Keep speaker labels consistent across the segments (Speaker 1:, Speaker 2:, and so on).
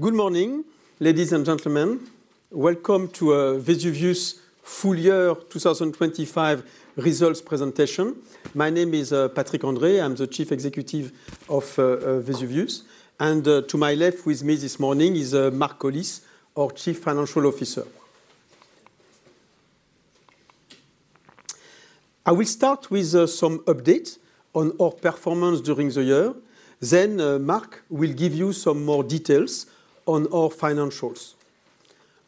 Speaker 1: Good morning, ladies and gentlemen. Welcome to Vesuvius full year 2025 results presentation. My name is Patrick André. I'm the Chief Executive of Vesuvius. To my left with me this morning is Mark Collis, our Chief Financial Officer. I will start with some updates on our performance during the year. Then Mark will give you some more details on our financials.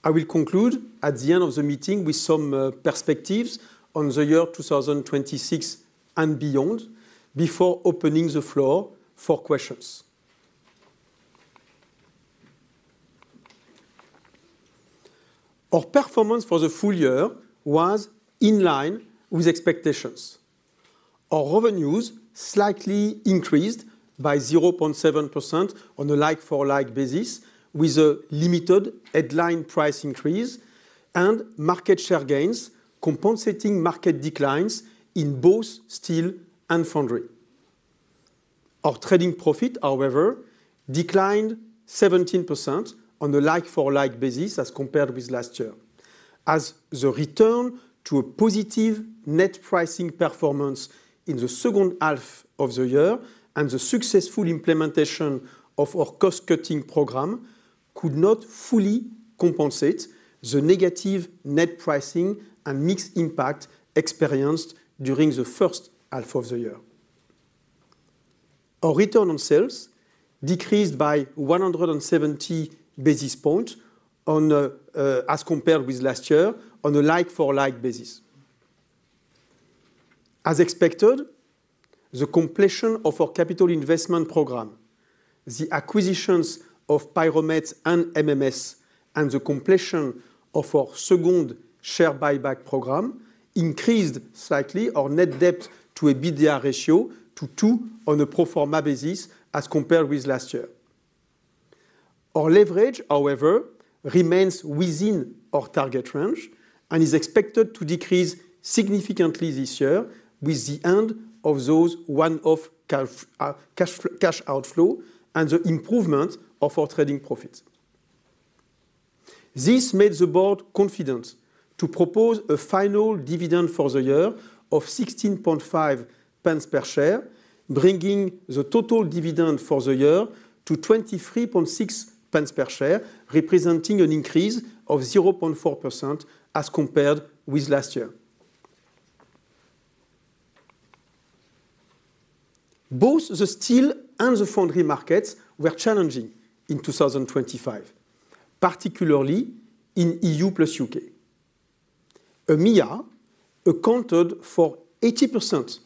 Speaker 1: I will conclude at the end of the meeting with some perspectives on the year 2026 and beyond before opening the floor for questions. Our performance for the full year was in line with expectations. Our revenues slightly increased by 0.7% on a like-for-like basis with a limited headline price increase and market share gains compensating market declines in both steel and foundry. Our trading profit, however, declined 17% on a like-for-like basis as compared with last year, as the return to a positive net pricing performance in the second half of the year and the successful implementation of our cost-cutting program could not fully compensate the negative net pricing and mixed impact experienced during the first half of the year. Our return on sales decreased by 170 basis points as compared with last year on a like-for-like basis. As expected, the completion of our capital investment program, the acquisitions of PiroMET and MMS, and the completion of our second share buyback program increased slightly our net debt to a EBITDA ratio to two on a pro forma basis as compared with last year. Our leverage, however, remains within our target range and is expected to decrease significantly this year with the end of those one-off cash outflows and the improvement of our trading profits. This made the board confident to propose a final dividend for the year of 0.165 per share, bringing the total dividend for the year to 0.236 per share, representing an increase of 0.4% as compared with last year. Both the steel and the foundry markets were challenging in 2025, particularly in E.U. plus U.K. EMEA accounted for 80%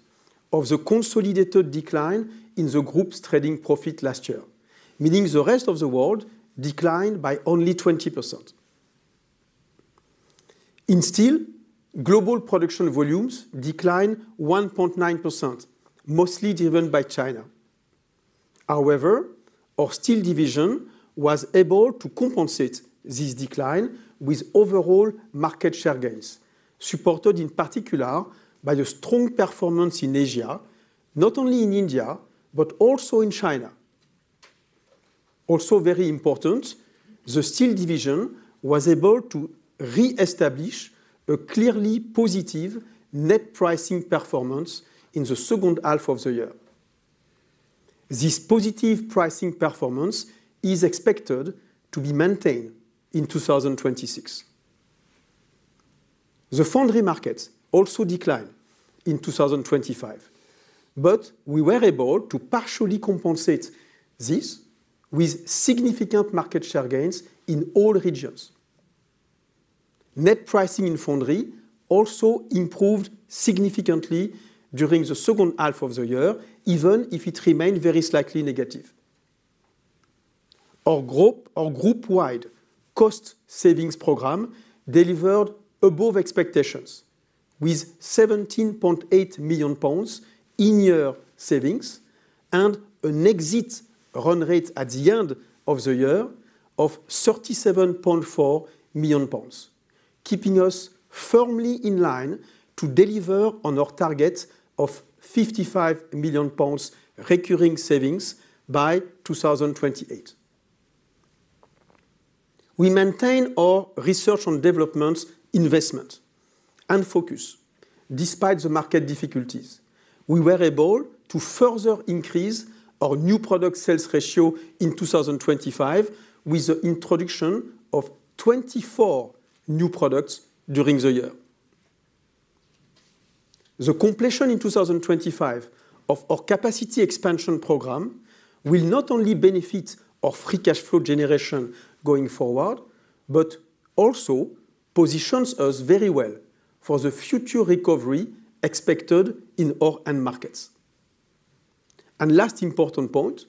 Speaker 1: of the consolidated decline in the group's trading profit last year, meaning the rest of the world declined by only 20%. In steel, global production volumes declined 1.9%, mostly driven by China. However, our Steel Division was able to compensate this decline with overall market share gains, supported in particular by the strong performance in Asia, not only in India, but also in China. Also very important, the Steel Division was able to reestablish a clearly positive net pricing performance in the second half of the year. This positive pricing performance is expected to be maintained in 2026. The Foundry market also declined in 2025, but we were able to partially compensate this with significant market share gains in all regions. Net pricing in Foundry also improved significantly during the second half of the year, even if it remained very slightly negative. Our group-wide cost savings program delivered above expectations with 17.8 million pounds in-year savings and an exit run rate at the end of the year of 37.4 million pounds, keeping us firmly in line to deliver on our target of 55 million pounds recurring savings by 2028. We maintain our research and development investment and focus despite the market difficulties. We were able to further increase our new product sales ratio in 2025 with the introduction of 24 new products during the year. The completion in 2025 of our capacity expansion program will not only benefit our free cash flow generation going forward, but also positions us very well for the future recovery expected in our end markets. Last important point,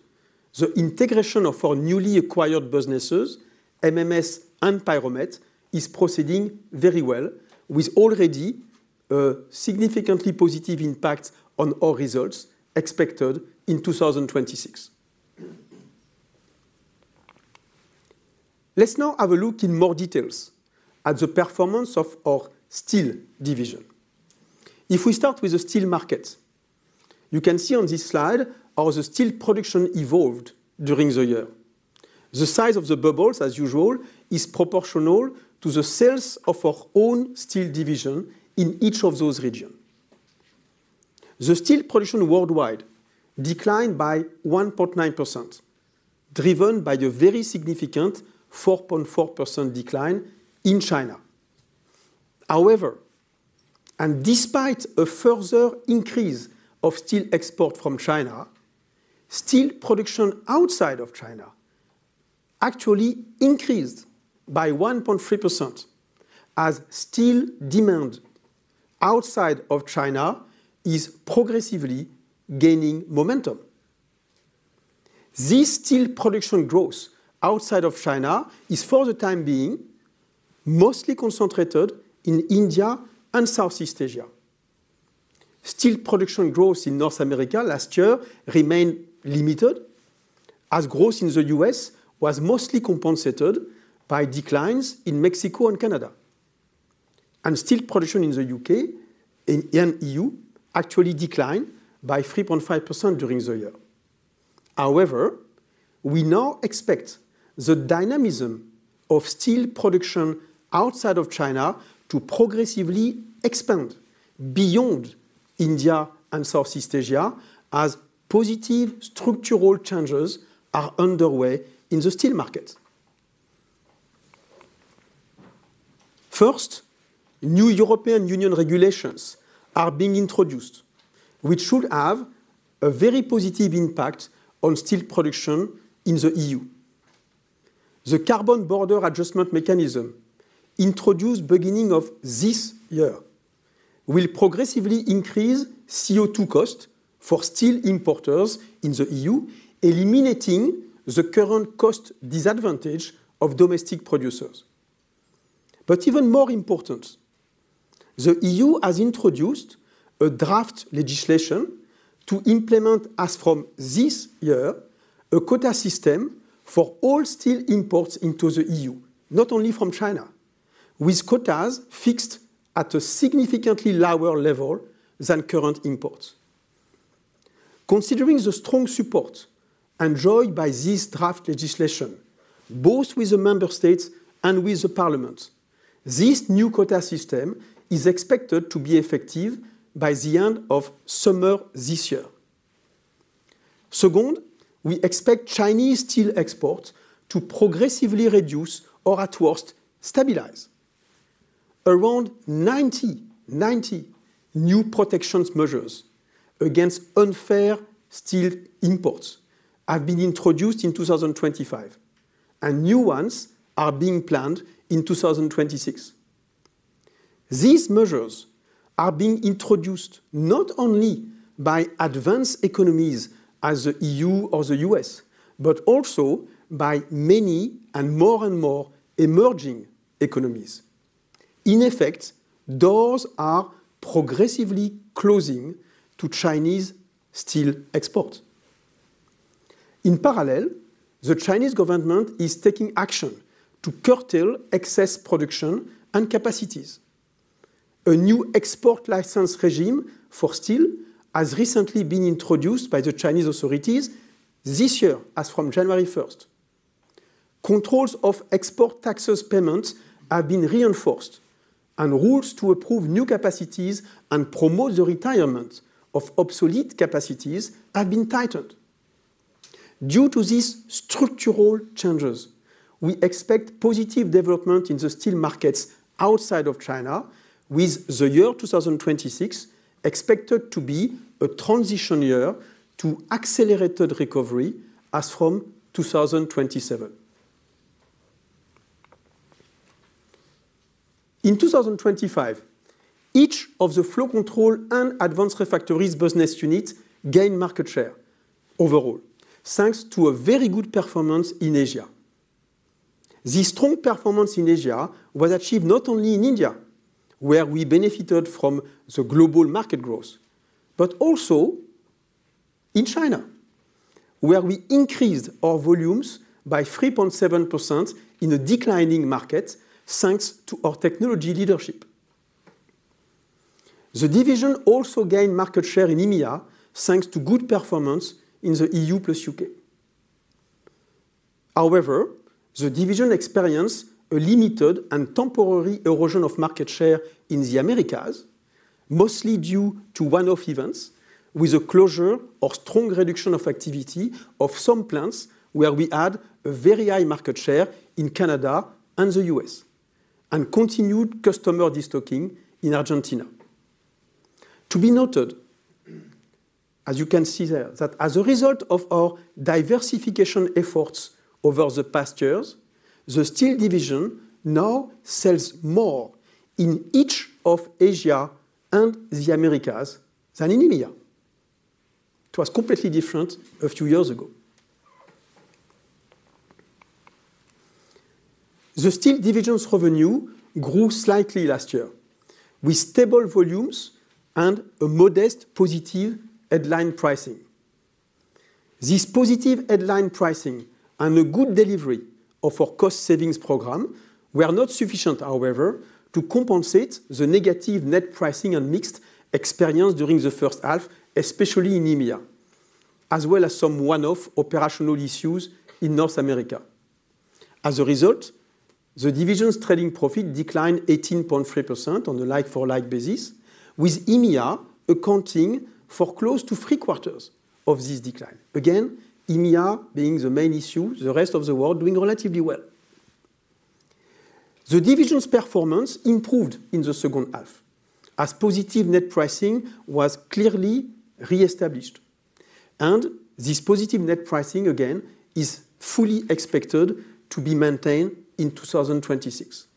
Speaker 1: the integration of our newly acquired businesses, MMS and PiroMET, is proceeding very well with already a significantly positive impact on our results expected in 2026. Let's now have a look in more details at the performance of our steel division. If we start with the steel market, you can see on this slide how the steel production evolved during the year. The size of the bubbles, as usual, is proportional to the sales of our own steel division in each of those regions. The steel production worldwide declined by 1.9%, driven by the very significant 4.4% decline in China. However, and despite a further increase of steel export from China, steel production outside of China actually increased by 1.3% as steel demand outside of China is progressively gaining momentum. This steel production growth outside of China is, for the time being, mostly concentrated in India and Southeast Asia. Steel production growth in North America last year remained limited as growth in the U.S. was mostly compensated by declines in Mexico and Canada. Steel production in the U.K. and E.U. actually declined by 3.5% during the year. However, we now expect the dynamism of steel production outside of China to progressively expand beyond India and Southeast Asia as positive structural changes are underway in the steel market. First, new European Union regulations are being introduced, which should have a very positive impact on steel production in the E.U. The Carbon Border Adjustment Mechanism introduced beginning of this year will progressively increase CO2 cost for steel importers in the E.U., eliminating the current cost disadvantage of domestic producers. Even more important, the E.U. has introduced a draft legislation to implement, as from this year, a quota system for all steel imports into the E.U., not only from China, with quotas fixed at a significantly lower level than current imports. Considering the strong support enjoyed by this draft legislation, both with the member states and with the parliament, this new quota system is expected to be effective by the end of summer this year. Second, we expect Chinese steel exports to progressively reduce or at worst stabilize. Around 90 new protection measures against unfair steel imports have been introduced in 2025, and new ones are being planned in 2026. These measures are being introduced not only by advanced economies such as the E.U. or the U.S., but also by many and more and more emerging economies. In effect, doors are progressively closing to Chinese steel export. In parallel, the Chinese government is taking action to curtail excess production and capacities. A new export license regime for steel has recently been introduced by the Chinese authorities this year as from January 1st. Controls of export taxes payments have been reinforced, and rules to approve new capacities and promote the retirement of obsolete capacities have been tightened. Due to these structural changes, we expect positive development in the steel markets outside of China with 2026 expected to be a transition year to accelerated recovery as from 2027. In 2025, each of the Flow Control and Advanced Refractories business units gained market share overall, thanks to a very good performance in Asia. This strong performance in Asia was achieved not only in India, where we benefited from the global market growth, but also in China, where we increased our volumes by 3.7% in a declining market, thanks to our technology leadership. The division also gained market share in EMEA, thanks to good performance in the E.U. plus U.K. However, the division experienced a limited and temporary erosion of market share in the Americas, mostly due to one-off events with a closure or strong reduction of activity of some plants where we had a very high market share in Canada and the U.S., and continued customer destocking in Argentina. To be noted, as you can see there, that as a result of our diversification efforts over the past years, the Steel Division now sells more in each of Asia and the Americas than in EMEA. It was completely different a few years ago. The steel division's revenue grew slightly last year, with stable volumes and a modest positive headline pricing. This positive headline pricing and a good delivery of our cost savings program were not sufficient, however, to compensate for the negative net pricing and mixed experience during the first half, especially in EMEA. As well as some one-off operational issues in North America. As a result, the division's trading profit declined 18.3% on a like-for-like basis, with EMEA accounting for close to three-quarters of this decline. Again, EMEA being the main issue, the rest of the world doing relatively well. The division's performance improved in the second half as positive net pricing was clearly re-established, and this positive net pricing again is fully expected to be maintained in 2026.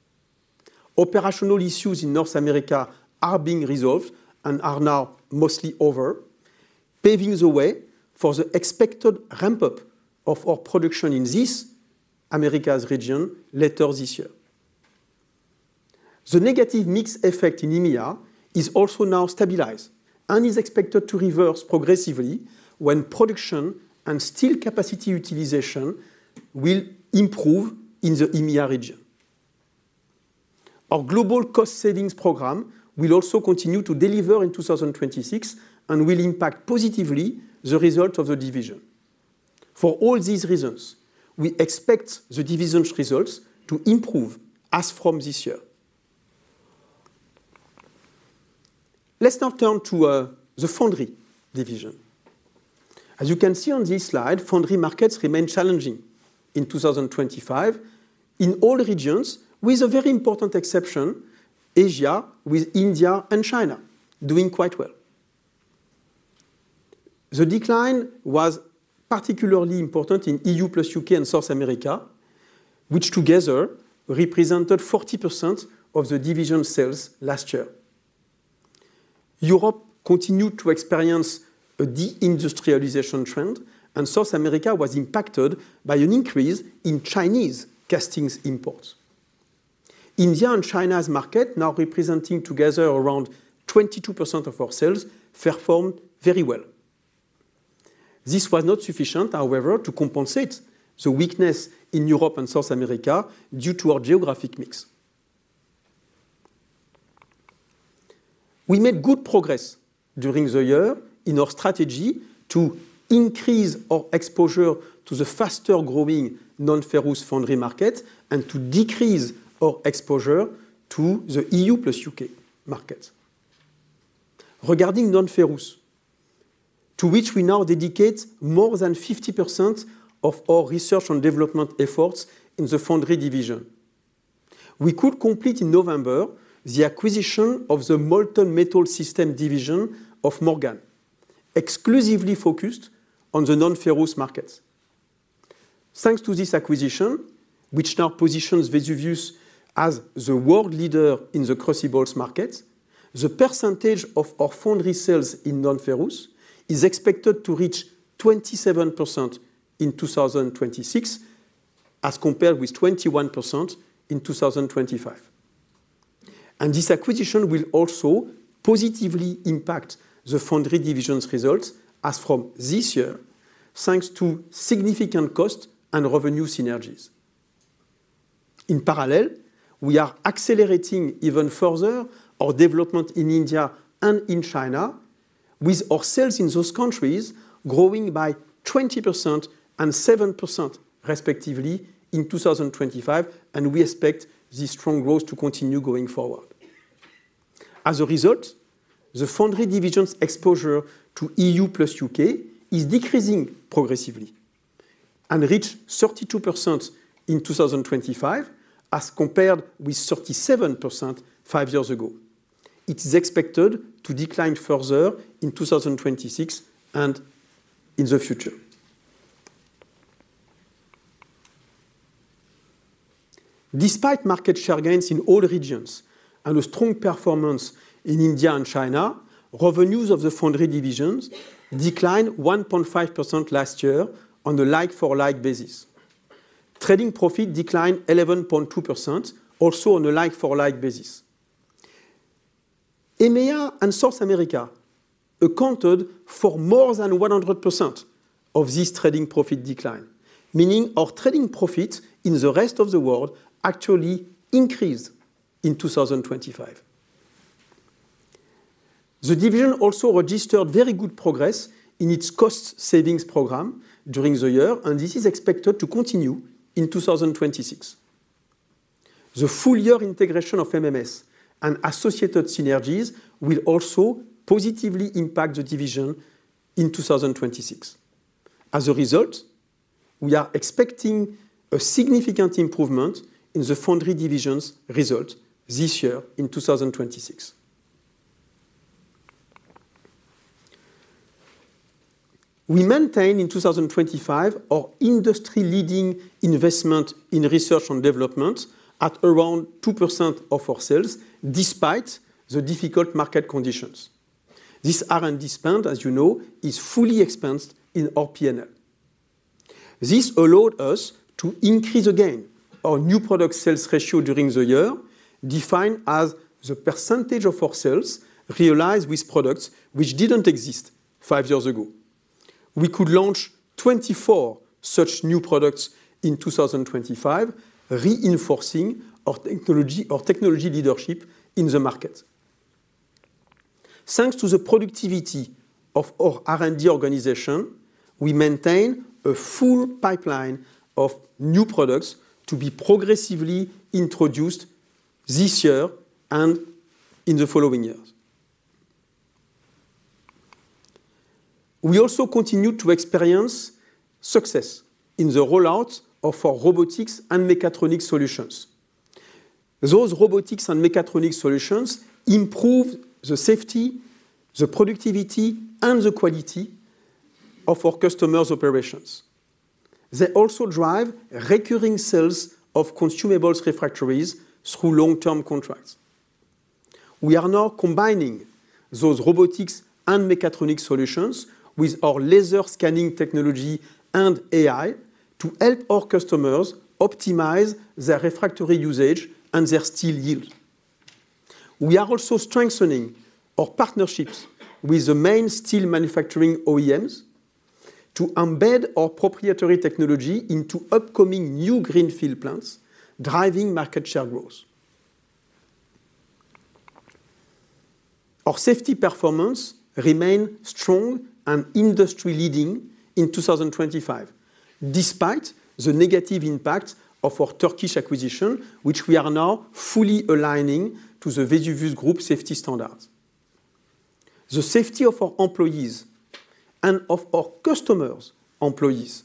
Speaker 1: Operational issues in North America are being resolved and are now mostly over, paving the way for the expected ramp-up of our production in this Americas region later this year. The negative mix effect in EMEA is also now stabilized and is expected to reverse progressively when production and steel capacity utilization will improve in the EMEA region. Our global cost savings program will also continue to deliver in 2026 and will impact positively the result of the division. For all these reasons, we expect the division's results to improve as from this year. Let's now turn to the Foundry division. As you can see on this slide, Foundry markets remain challenging in 2025 in all regions, with a very important exception, Asia, with India and China doing quite well. The decline was particularly important in E.U. plus U.K. and South America, which together represented 40% of the division sales last year. Europe continued to experience a deindustrialization trend, and South America was impacted by an increase in Chinese castings imports. India and China's market, now representing together around 22% of our sales, performed very well. This was not sufficient, however, to compensate the weakness in Europe and South America due to our geographic mix. We made good progress during the year in our strategy to increase our exposure to the faster-growing non-ferrous Foundry market and to decrease our exposure to the E.U. plus U.K. market. Regarding non-ferrous, to which we now dedicate more than 50% of our research and development efforts in the Foundry division. We could complete in November the acquisition of the Molten Metal Systems division of Morgan, exclusively focused on the non-ferrous markets. Thanks to this acquisition, which now positions Vesuvius as the world leader in the crucibles markets, the percentage of our Foundry sales in non-ferrous is expected to reach 27% in 2026, as compared with 21% in 2025. This acquisition will also positively impact the Foundry division's results as from this year, thanks to significant cost and revenue synergies. In parallel, we are accelerating even further our development in India and in China with our sales in those countries growing by 20% and 7% respectively in 2025, and we expect this strong growth to continue going forward. As a result, the Foundry division's exposure to E.U. plus U.K. is decreasing progressively and reached 32% in 2025, as compared with 37% five years ago. It is expected to decline further in 2026 and in the future. Despite market share gains in all regions and a strong performance in India and China, revenues of the Foundry division declined 1.5% last year on a like-for-like basis. Trading profit declined 11.2% also on a like-for-like basis. EMEA and South America accounted for more than 100% of this trading profit decline, meaning our trading profit in the rest of the world actually increased in 2025. The division also registered very good progress in its cost savings program during the year, and this is expected to continue in 2026. The full year integration of MMS and associated synergies will also positively impact the division in 2026. As a result, we are expecting a significant improvement in the Foundry division's result this year in 2026. We maintained in 2025 our industry-leading investment in research and development at around 2% of our sales despite the difficult market conditions. This R&D spend, as you know, is fully expensed in our P&L. This allowed us to increase again our new product sales ratio during the year, defined as the percentage of our sales realized with products which didn't exist five years ago. We could launch 24 such new products in 2025, reinforcing our technology leadership in the market. Thanks to the productivity of our R&D organization, we maintain a full pipeline of new products to be progressively introduced this year and in the following years. We also continue to experience success in the rollout of our robotics and mechatronics solutions. Those robotics and mechatronics solutions improve the safety, the productivity, and the quality of our customers' operations. They also drive recurring sales of consumables refractories through long-term contracts. We are now combining those robotics and mechatronics solutions with our laser scanning technology and AI to help our customers optimize their refractory usage and their steel yield. We are also strengthening our partnerships with the main steel manufacturing OEMs to embed our proprietary technology into upcoming new greenfield plants, driving market share growth. Our safety performance remained strong and industry-leading in 2025, despite the negative impact of our Turkish acquisition, which we are now fully aligning to the Vesuvius group safety standards. The safety of our employees and of our customers' employees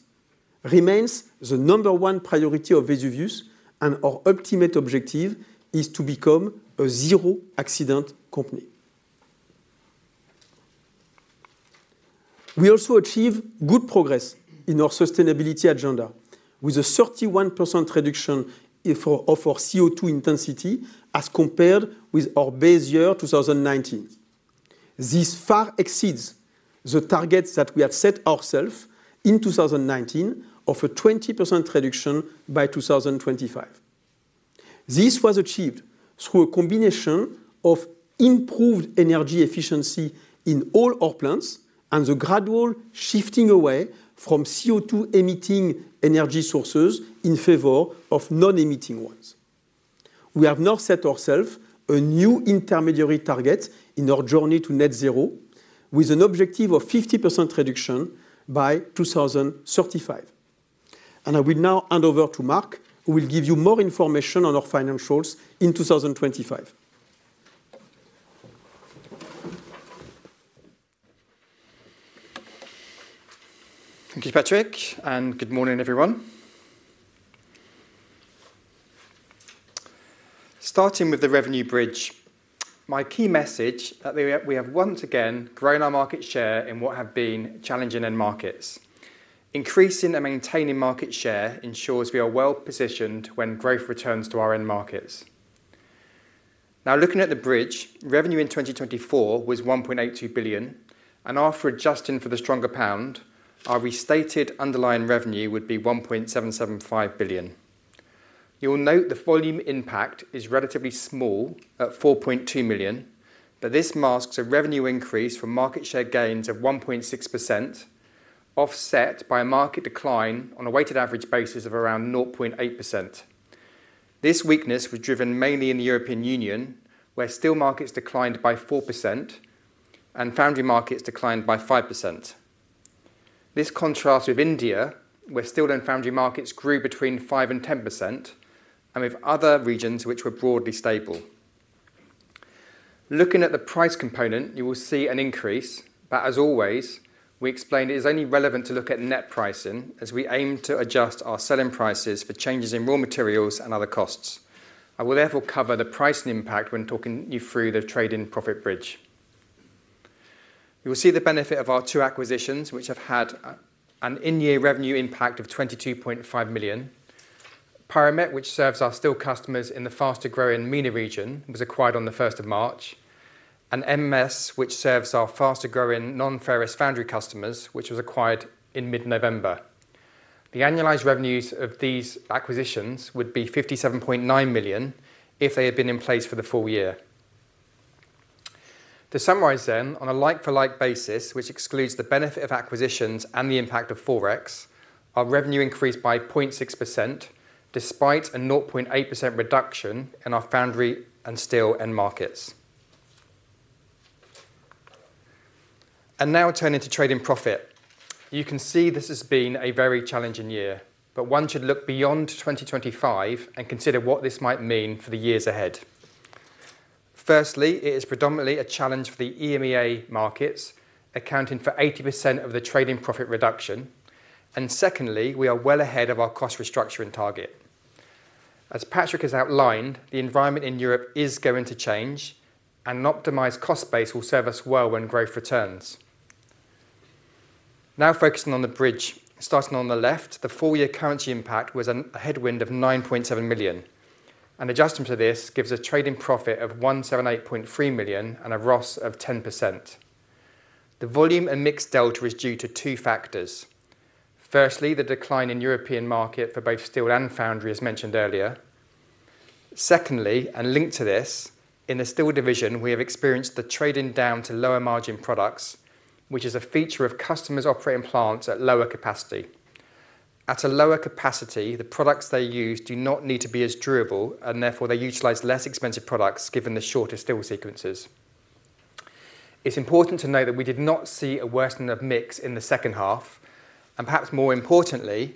Speaker 1: remains the number one priority of Vesuvius, and our ultimate objective is to become a zero-accident company. We also achieve good progress in our sustainability agenda, with a 31% reduction of our CO2 intensity as compared with our base year, 2019. This far exceeds the targets that we have set ourself in 2019 of a 20% reduction by 2025. This was achieved through a combination of improved energy efficiency in all our plants and the gradual shifting away from CO2-emitting energy sources in favor of non-emitting ones. We have now set ourself a new intermediary target in our journey to net zero, with an objective of 50% reduction by 2035. I will now hand over to Mark, who will give you more information on our financials in 2025.
Speaker 2: Thank you, Patrick, and good morning, everyone. Starting with the revenue bridge, my key message that we have once again grown our market share in what have been challenging end markets. Increasing and maintaining market share ensures we are well-positioned when growth returns to our end markets. Now looking at the bridge, revenue in 2024 was 1.82 billion, and after adjusting for the stronger pound, our restated underlying revenue would be 1.775 billion. You will note the volume impact is relatively small at 4.2 million, but this masks a revenue increase from market share gains of 1.6%, offset by a market decline on a weighted average basis of around 0.8%. This weakness was driven mainly in the European Union, where steel markets declined by 4% and foundry markets declined by 5%. This contrasts with India, where steel and foundry markets grew between 5% and 10%, and with other regions which were broadly stable. Looking at the price component, you will see an increase, but as always, we explain it is only relevant to look at net pricing as we aim to adjust our selling prices for changes in raw materials and other costs. I will therefore cover the pricing impact when taking you through the trade and profit bridge. You will see the benefit of our two acquisitions, which have had an in-year revenue impact of 22.5 million. PiroMET, which serves our steel customers in the faster-growing MENA region, was acquired on the first of March. MMS, which serves our faster-growing non-ferrous foundry customers, was acquired in mid-November. The annualized revenues of these acquisitions would be 57.9 million if they had been in place for the full year. To summarize then, on a like-for-like basis, which excludes the benefit of acquisitions and the impact of Forex, our revenue increased by 0.6% despite a 0.8% reduction in our foundry and steel end markets. Now turning to trade and profit. You can see this has been a very challenging year, but one should look beyond 2025 and consider what this might mean for the years ahead. Firstly, it is predominantly a challenge for the EMEA markets, accounting for 80% of the trade and profit reduction. Secondly, we are well ahead of our cost restructuring target. As Patrick has outlined, the environment in Europe is going to change and an optimized cost base will serve us well when growth returns. Now focusing on the bridge. Starting on the left, the full year currency impact was a headwind of 9.7 million. An adjustment to this gives a trading profit of 178.3 million and a ROS of 10%. The volume and mix delta is due to two factors. Firstly, the decline in European market for both steel and foundry, as mentioned earlier. Secondly, and linked to this, in the steel division, we have experienced the trading down to lower margin products, which is a feature of customers operating plants at lower capacity. At a lower capacity, the products they use do not need to be as durable, and therefore they utilize less expensive products given the shorter steel sequences. It's important to note that we did not see a worsening of mix in the second half, and perhaps more importantly,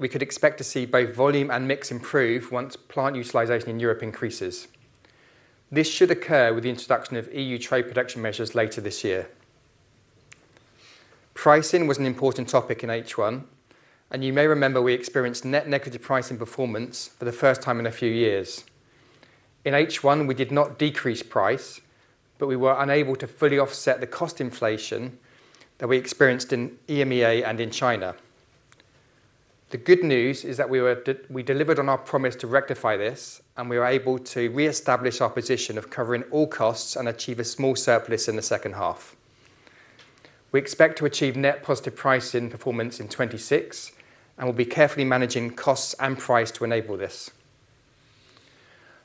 Speaker 2: we could expect to see both volume and mix improve once plant utilization in Europe increases. This should occur with the introduction of E.U. trade protection measures later this year. Pricing was an important topic in H1, and you may remember we experienced net negative pricing performance for the first time in a few years. In H1, we did not decrease price, but we were unable to fully offset the cost inflation that we experienced in EMEA and in China. The good news is that we delivered on our promise to rectify this, and we were able to reestablish our position of covering all costs and achieve a small surplus in the second half. We expect to achieve net positive pricing performance in 2026, and we'll be carefully managing costs and price to enable this.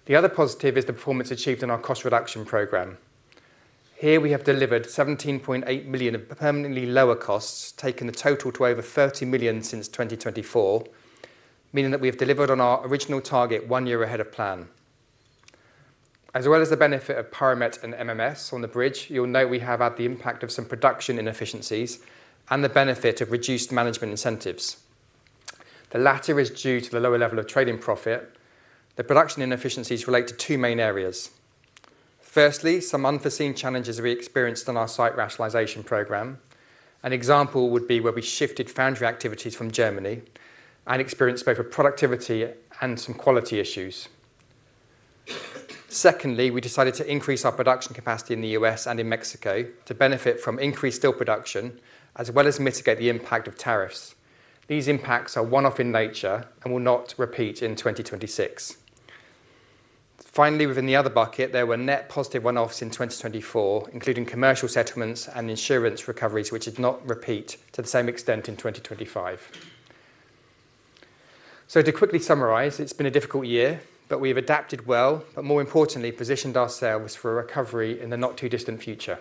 Speaker 2: The other positive is the performance achieved in our cost reduction program. Here we have delivered 17.8 million of permanently lower costs, taking the total to over 30 million since 2024, meaning that we have delivered on our original target one year ahead of plan. As well as the benefit of PiroMET and MMS on the bridge, you'll know we have had the impact of some production inefficiencies and the benefit of reduced management incentives. The latter is due to the lower level of trading profit. The production inefficiencies relate to two main areas. Firstly, some unforeseen challenges we experienced on our site rationalization program. An example would be where we shifted foundry activities from Germany and experienced both a productivity and some quality issues. Secondly, we decided to increase our production capacity in the U.S. and in Mexico to benefit from increased steel production, as well as mitigate the impact of tariffs. These impacts are one-off in nature and will not repeat in 2026. Finally, within the other bucket, there were net positive one-offs in 2024, including commercial settlements and insurance recoveries, which did not repeat to the same extent in 2025. To quickly summarize, it's been a difficult year, but we've adapted well, but more importantly, positioned ourselves for a recovery in the not too distant future.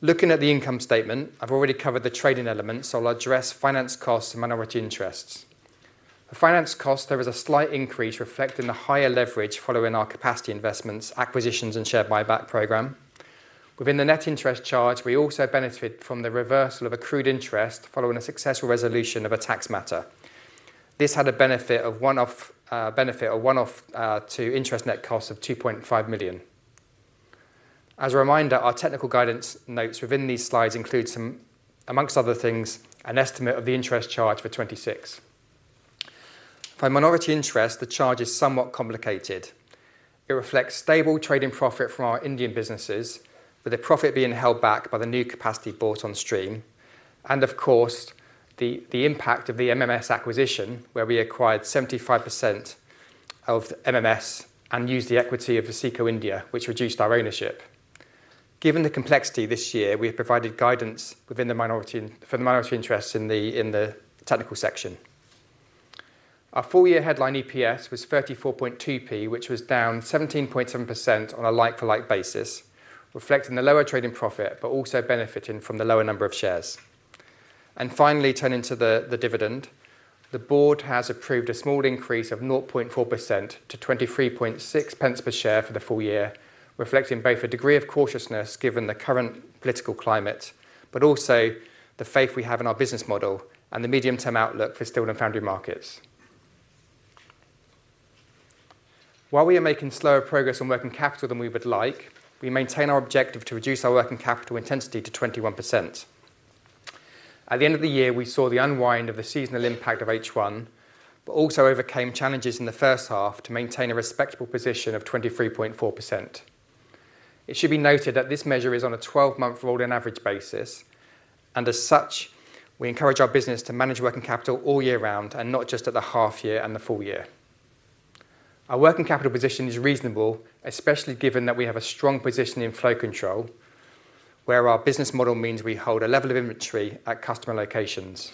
Speaker 2: Looking at the income statement, I've already covered the trading elements, so I'll address finance costs and minority interests. The finance cost, there was a slight increase reflecting the higher leverage following our capacity investments, acquisitions, and share buyback program. Within the net interest charge, we also benefit from the reversal of accrued interest following a successful resolution of a tax matter. This had a one-off benefit to net interest cost of 2.5 million. As a reminder, our technical guidance notes within these slides include some, amongst other things, an estimate of the interest charge for 2026. For minority interest, the charge is somewhat complicated. It reflects stable trading profit from our Indian businesses, with the profit being held back by the new capacity brought on stream. Of course, the impact of the MMS acquisition, where we acquired 75% of MMS and used the equity of Foseco India, which reduced our ownership. Given the complexity this year, we have provided guidance for the minority interest in the technical section. Our full year headline EPS was 0.342, which was down 17.7% on a like-for-like basis, reflecting the lower trading profit but also benefiting from the lower number of shares. Finally, turning to the dividend. The board has approved a small increase of 0.4% to 0.236 per share for the full year, reflecting both a degree of cautiousness given the current political climate, but also the faith we have in our business model and the medium-term outlook for steel and foundry markets. While we are making slower progress on working capital than we would like, we maintain our objective to reduce our working capital intensity to 21%. At the end of the year, we saw the unwind of the seasonal impact of H1, but also overcame challenges in the first half to maintain a respectable position of 23.4%. It should be noted that this measure is on a 12-month rolling average basis, and as such, we encourage our business to manage working capital all year round and not just at the half year and the full year. Our working capital position is reasonable, especially given that we have a strong position in Flow Control, where our business model means we hold a level of inventory at customer locations.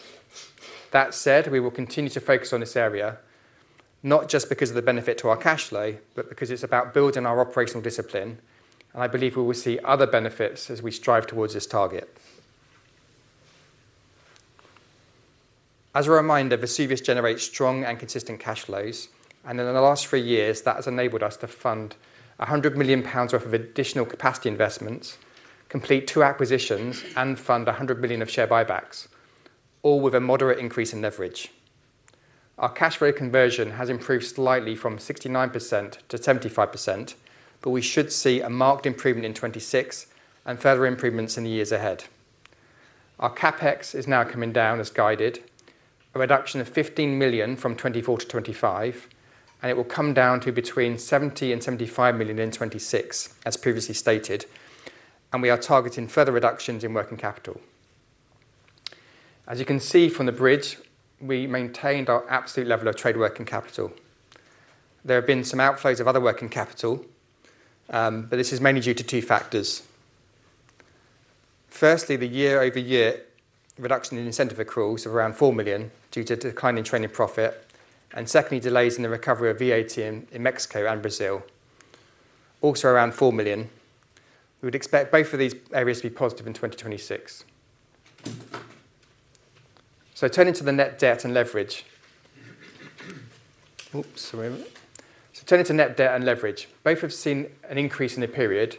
Speaker 2: That said, we will continue to focus on this area, not just because of the benefit to our cash flow, but because it's about building our operational discipline, and I believe we will see other benefits as we strive towards this target. As a reminder, Vesuvius generates strong and consistent cash flows, and in the last three years, that has enabled us to fund 100 million pounds worth of additional capacity investments, complete two acquisitions, and fund 100 million of share buybacks, all with a moderate increase in leverage. Our cash flow conversion has improved slightly from 69% to 75%, but we should see a marked improvement in 2026 and further improvements in the years ahead. Our CapEx is now coming down as guided, a reduction of 15 million from 2024 to 2025, and it will come down to between 70 million and 75 million in 2026, as previously stated. We are targeting further reductions in working capital. As you can see from the bridge, we maintained our absolute level of trade working capital. There have been some outflows of other working capital, but this is mainly due to two factors. Firstly, the year-over-year reduction in incentive accruals of around 4 million due to declining trading profit. Secondly, delays in the recovery of VAT in Mexico and Brazil, also around 4 million. We would expect both of these areas to be positive in 2026. Turning to net debt and leverage. Both have seen an increase in the period,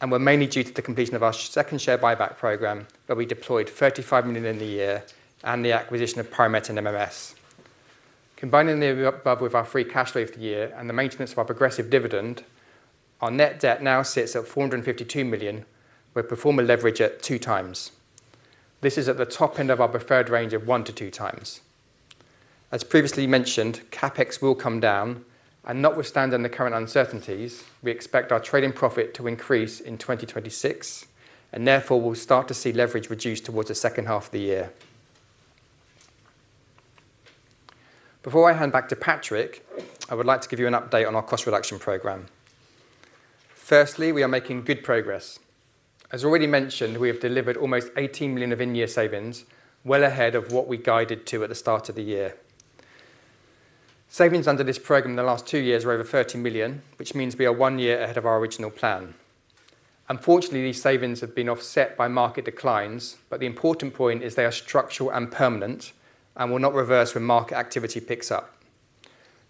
Speaker 2: and were mainly due to the completion of our second share buyback program, where we deployed 35 million in the year and the acquisition of PiroMET and MMS. Combining the above with our free cash flow of the year and the maintenance of our progressive dividend, our net debt now sits at 452 million, with pro forma leverage at 2x. This is at the top end of our preferred range of 1x-2x. As previously mentioned, CapEx will come down, and notwithstanding the current uncertainties, we expect our trading profit to increase in 2026, and therefore we'll start to see leverage reduce towards the second half of the year. Before I hand back to Patrick, I would like to give you an update on our cost reduction program. Firstly, we are making good progress. As already mentioned, we have delivered almost 18 million of in-year savings well ahead of what we guided to at the start of the year. Savings under this program in the last two years were over 30 million, which means we are one year ahead of our original plan. Unfortunately, these savings have been offset by market declines, but the important point is they are structural and permanent and will not reverse when market activity picks up.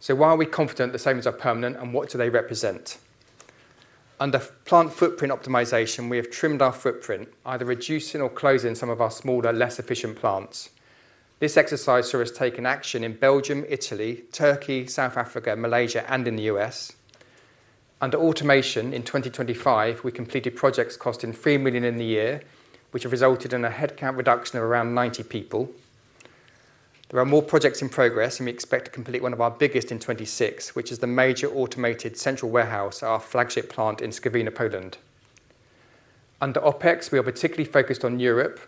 Speaker 2: Why are we confident the savings are permanent, and what do they represent? Under plant footprint optimization, we have trimmed our footprint, either reducing or closing some of our smaller, less efficient plants. This exercise saw us taking action in Belgium, Italy, Turkey, South Africa, Malaysia, and in the US. Under automation in 2025, we completed projects costing 3 million in the year, which resulted in a headcount reduction of around 90 people. There are more projects in progress, and we expect to complete one of our biggest in 2026, which is the major automated central warehouse, our flagship plant in Skawina, Poland. Under OpEx, we are particularly focused on Europe,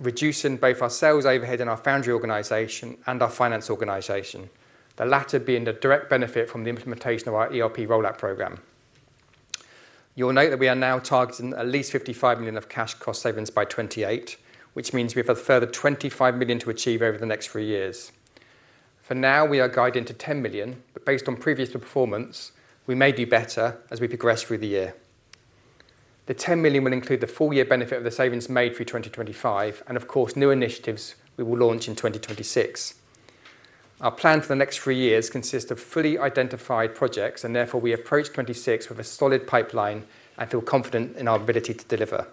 Speaker 2: reducing both our sales overhead and our foundry organization and our finance organization, the latter being the direct benefit from the implementation of our ERP rollout program. You'll note that we are now targeting at least 55 million of cash cost savings by 2028, which means we have a further 25 million to achieve over the next three years. For now, we are guiding to 10 million, but based on previous performance, we may do better as we progress through the year. The 10 million will include the full year benefit of the savings made through 2025 and of course, new initiatives we will launch in 2026. Our plan for the next three years consists of fully identified projects, and therefore we approach 2026 with a solid pipeline and feel confident in our ability to deliver.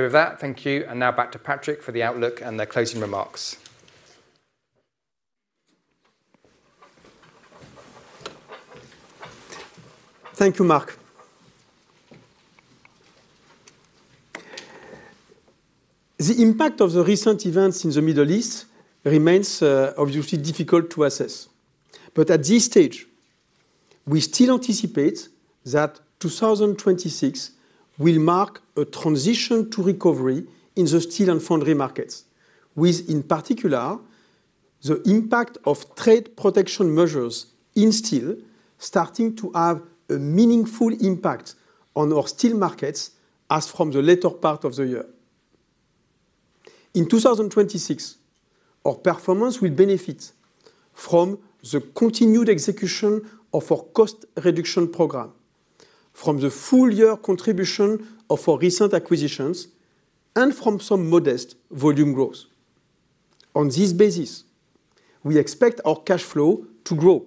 Speaker 2: With that, thank you. Now back to Patrick for the outlook and the closing remarks.
Speaker 1: Thank you, Mark. The impact of the recent events in the Middle East remains obviously difficult to assess. At this stage, we still anticipate that 2026 will mark a transition to recovery in the steel and foundry markets, with, in particular, the impact of trade protection measures in steel starting to have a meaningful impact on our steel markets as from the later part of the year. In 2026, our performance will benefit from the continued execution of our cost reduction program, from the full year contribution of our recent acquisitions, and from some modest volume growth. On this basis, we expect our cash flow to grow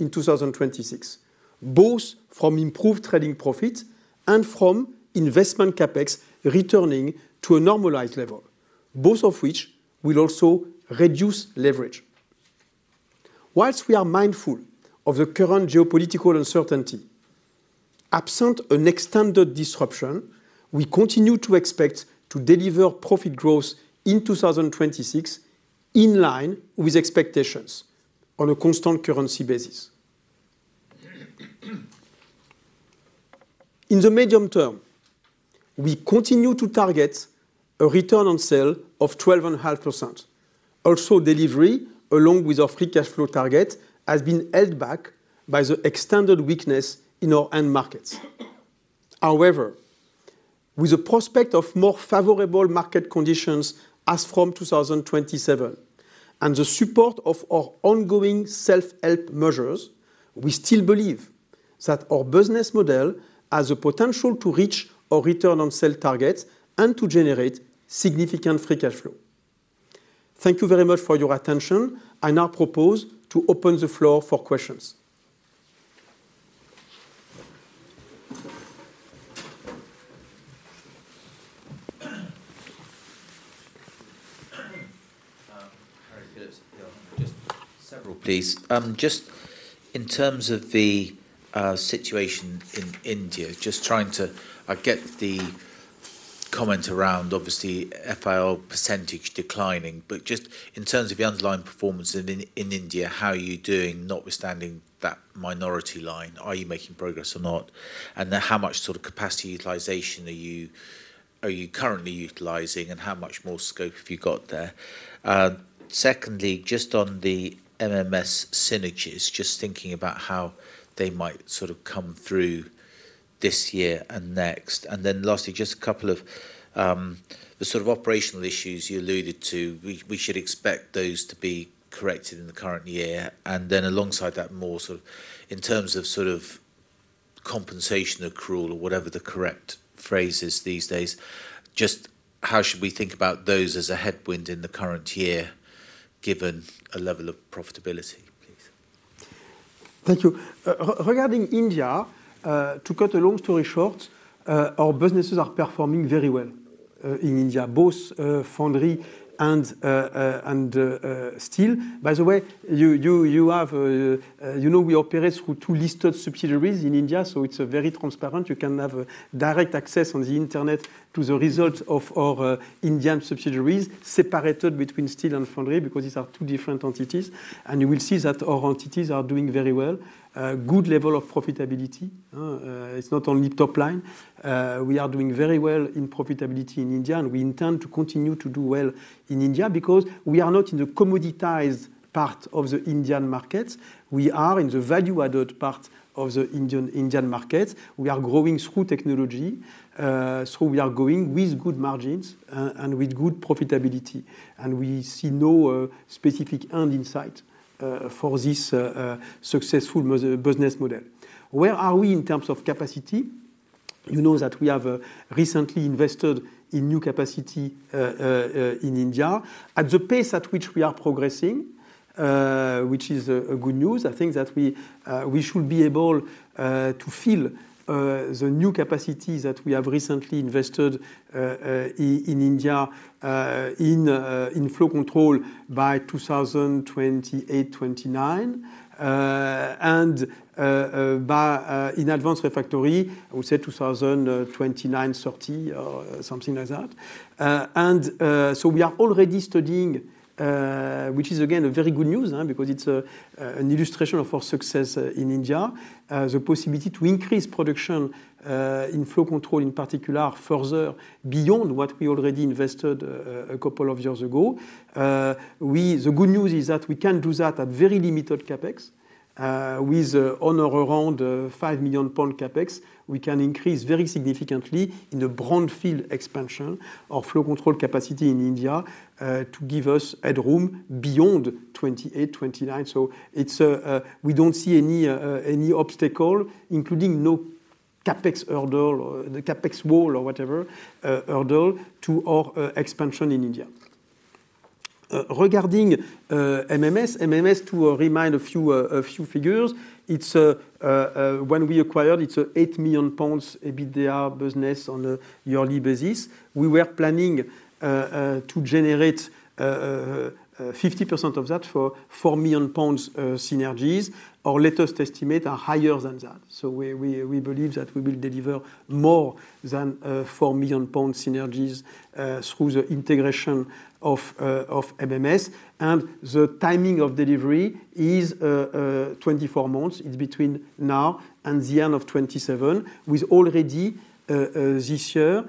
Speaker 1: in 2026, both from improved trading profit and from investment CapEx returning to a normalized level, both of which will also reduce leverage. While we are mindful of the current geopolitical uncertainty, absent an extended disruption, we continue to expect to deliver profit growth in 2026 in line with expectations on a constant currency basis. In the medium term, we continue to target a return on sale of 12.5%. Also, delivery along with our free cash flow target has been held back by the extended weakness in our end markets. However, with the prospect of more favorable market conditions as from 2027 and the support of our ongoing self-help measures, we still believe that our business model has the potential to reach our return on sale targets and to generate significant free cash flow. Thank you very much for your attention. I now propose to open the floor for questions.
Speaker 3: All right. Good. Yeah. Just several, please. Just in terms of the situation in India, just trying to get the Comment around obviously FIL percentage declining, but just in terms of the underlying performance in India, how are you doing notwithstanding that minority line? Are you making progress or not? Then how much sort of capacity utilization are you currently utilizing, and how much more scope have you got there? Secondly, just on the MMS synergies, just thinking about how they might sort of come through this year and next. Then lastly, just a couple of the sort of operational issues you alluded to. We should expect those to be corrected in the current year and then alongside that more sort of in terms of sort of compensation accrual or whatever the correct phrase is these days, just how should we think about those as a headwind in the current year, given a level of profitability, please?
Speaker 1: Thank you. Regarding India, to cut a long story short, our businesses are performing very well in India, both foundry and steel. By the way, you know we operate through two listed subsidiaries in India, so it's very transparent. You can have direct access on the internet to the results of our Indian subsidiaries separated between steel and foundry because these are two different entities. You will see that our entities are doing very well. Good level of profitability. It's not only top line. We are doing very well in profitability in India, and we intend to continue to do well in India because we are not in the commoditized part of the Indian market. We are in the value-added part of the Indian market. We are growing through technology, so we are growing with good margins and with good profitability, and we see no specific earnings insight for this successful business model. Where are we in terms of capacity? You know that we have recently invested in new capacity in India. At the pace at which we are progressing, which is good news, I think that we should be able to fill the new capacity that we have recently invested in India in Flow Control by 2028, 2029. And in Advanced Refractories, I would say 2029, 2030 or something like that. We are already studying, which is again a very good news, because it's an illustration of our success in India. The possibility to increase production in Flow Control in particular further beyond what we already invested a couple of years ago. The good news is that we can do that at very limited CapEx. With on or around 5 million pound CapEx, we can increase very significantly in the brownfield expansion of Flow Control capacity in India, to give us headroom beyond 2028, 2029. We don't see any obstacle, including no CapEx hurdle or the CapEx wall or whatever hurdle to our expansion in India. Regarding MMS. MMS to remind a few figures. When we acquired, it's 8 million pounds EBITDA business on a yearly basis. We were planning to generate 50% of that for 4 million pounds synergies. Our latest estimate are higher than that. We believe that we will deliver more than 4 million pound synergies through the integration of MMS. The timing of delivery is 24 months. It's between now and the end of 2027, with already this year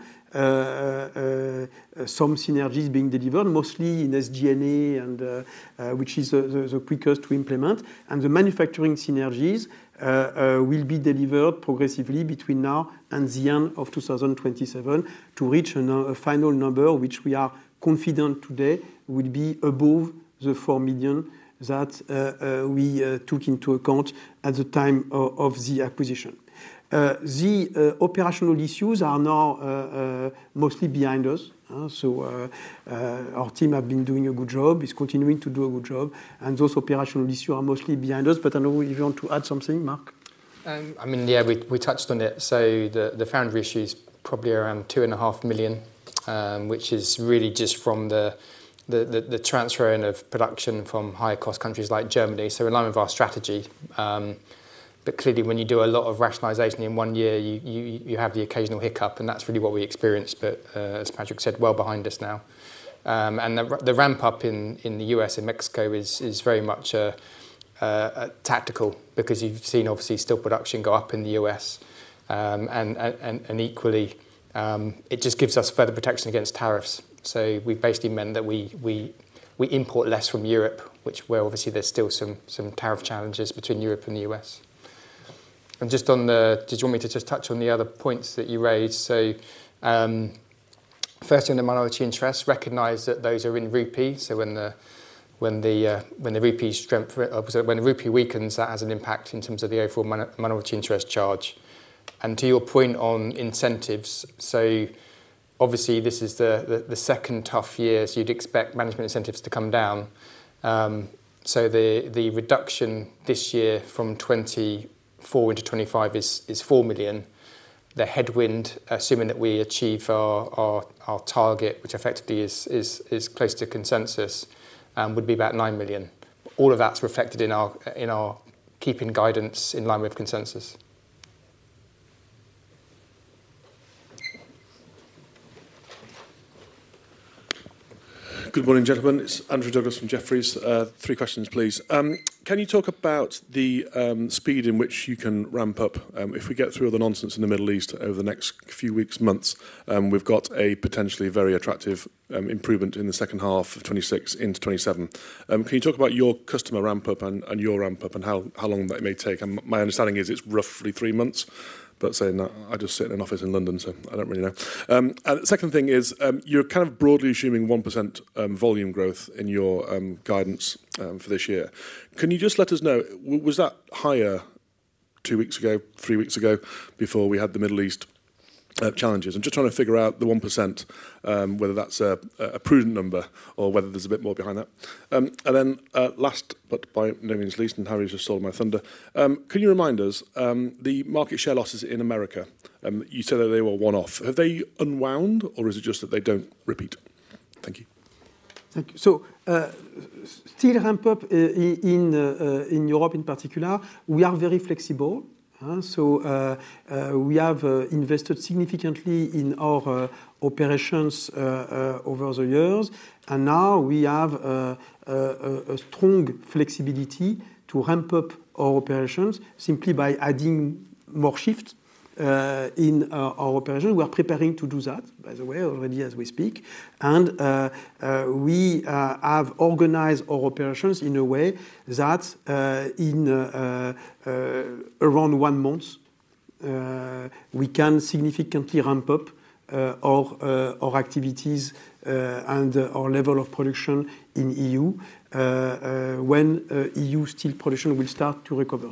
Speaker 1: some synergies being delivered, mostly in SG&A and which is the quickest to implement. The manufacturing synergies will be delivered progressively between now and the end of 2027 to reach a final number, which we are confident today will be above 4 million that we took into account at the time of the acquisition. The operational issues are now mostly behind us. Our team have been doing a good job, is continuing to do a good job. Those operational issues are mostly behind us. I know you want to add something, Mark.
Speaker 2: I mean, yeah, we touched on it. The Foundry issue is probably around 2.5 million, which is really just from the transferring of production from higher cost countries like Germany. In line with our strategy, but clearly when you do a lot of rationalization in one year, you have the occasional hiccup, and that's really what we experienced. As Patrick said, well behind us now. The ramp-up in the U.S. and Mexico is very much a tactical because you've seen obviously steel production go up in the U.S. Equally, it just gives us further protection against tariffs. We've basically means that we import less from Europe, which where obviously there's still some tariff challenges between Europe and the U.S. Just on the. Did you want me to just touch on the other points that you raised? First, in the minority interest, recognize that those are in rupee. When the rupee weakens, that has an impact in terms of the overall minority interest charge. To your point on incentives, obviously this is the second tough year, so you'd expect management incentives to come down. The reduction this year from 2024 into 2025 is 4 million. The headwind, assuming that we achieve our target, which effectively is close to consensus, would be about 9 million. All of that's reflected in our. Keeping guidance in line with consensus.
Speaker 4: Good morning, gentlemen. It's Andrew Douglas from Jefferies. Three questions, please. Can you talk about the speed in which you can ramp up if we get through the nonsense in the Middle East over the next few weeks, months? We've got a potentially very attractive improvement in the second half of 2026 into 2027. Can you talk about your customer ramp-up and your ramp-up and how long that may take? My understanding is it's roughly three months, but saying that I just sit in an office in London, so I don't really know. The second thing is, you're kind of broadly assuming 1% volume growth in your guidance for this year. Can you just let us know, was that higher two weeks ago, three weeks ago, before we had the Middle East challenges? I'm just trying to figure out the 1%, whether that's a prudent number or whether there's a bit more behind that. Last, but by no means least, Harry's just stole my thunder. Can you remind us, the market share losses in America, you said that they were one-off. Have they unwound or is it just that they don't repeat? Thank you.
Speaker 1: Thank you. Still ramping up in Europe in particular, we are very flexible. We have invested significantly in our operations over the years. Now we have a strong flexibility to ramp up our operations simply by adding more shifts in our operations. We are preparing to do that, by the way, already as we speak. We have organized our operations in a way that in around one month we can significantly ramp up our activities and our level of production in E.U. when E.U. steel production will start to recover.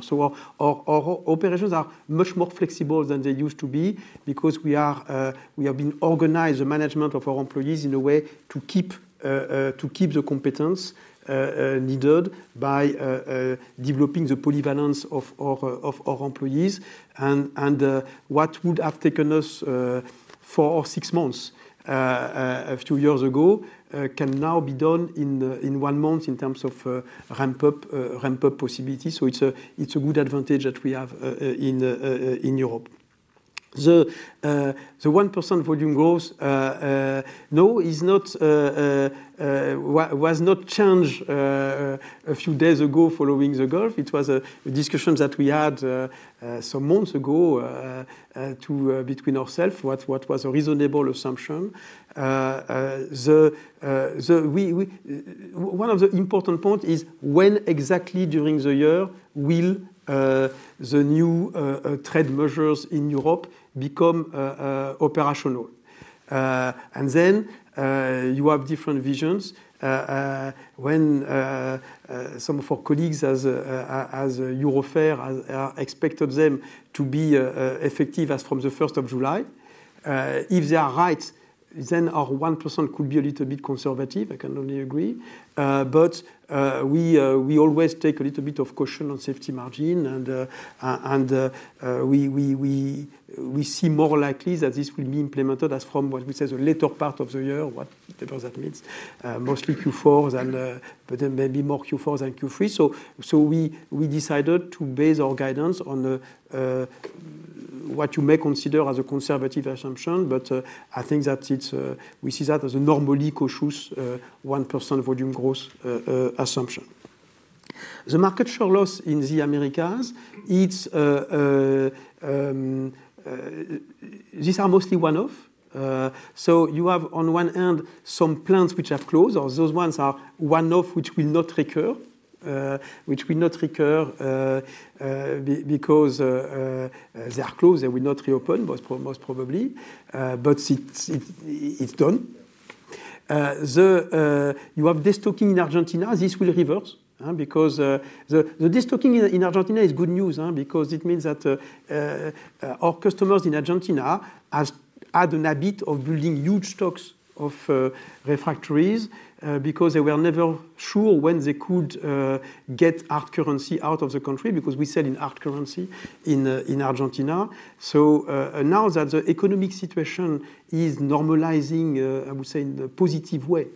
Speaker 1: Our operations are much more flexible than they used to be because we have organized the management of our employees in a way to keep the competence needed by developing the polyvalence of our employees. What would have taken us four or six months a few years ago can now be done in one month in terms of ramp up possibilities. It's a good advantage that we have in Europe. The 1% volume growth, no, was not changed a few days ago following the Gulf. It was a discussion that we had some months ago between ourselves, what was a reasonable assumption. One of the important point is when exactly during the year the new trade measures in Europe become operational? Then you have different versions when some of our colleagues at EUROFER expect them to be effective as from the first of July. If they are right, then our 1% could be a little bit conservative, I can only agree. We always take a little bit of caution on safety margin, and we see more likely that this will be implemented as from what we say is the later part of the year, whatever that means, mostly Q4 than but then maybe more Q4 than Q3. We decided to base our guidance on what you may consider as a conservative assumption, but I think that it's we see that as a normally cautious 1% volume growth assumption. The market share loss in the Americas, it's these are mostly one-off. You have on one hand, some plants which are closed, or those ones are one-off which will not recur, because they are closed, they will not reopen most probably. It's done. You have destocking in Argentina. This will reverse, because the destocking in Argentina is good news, because it means that our customers in Argentina has had an habit of building huge stocks of refractories, because they were never sure when they could get hard currency out of the country because we sell in hard currency in Argentina. Now that the economic situation is normalizing, I would say in a positive way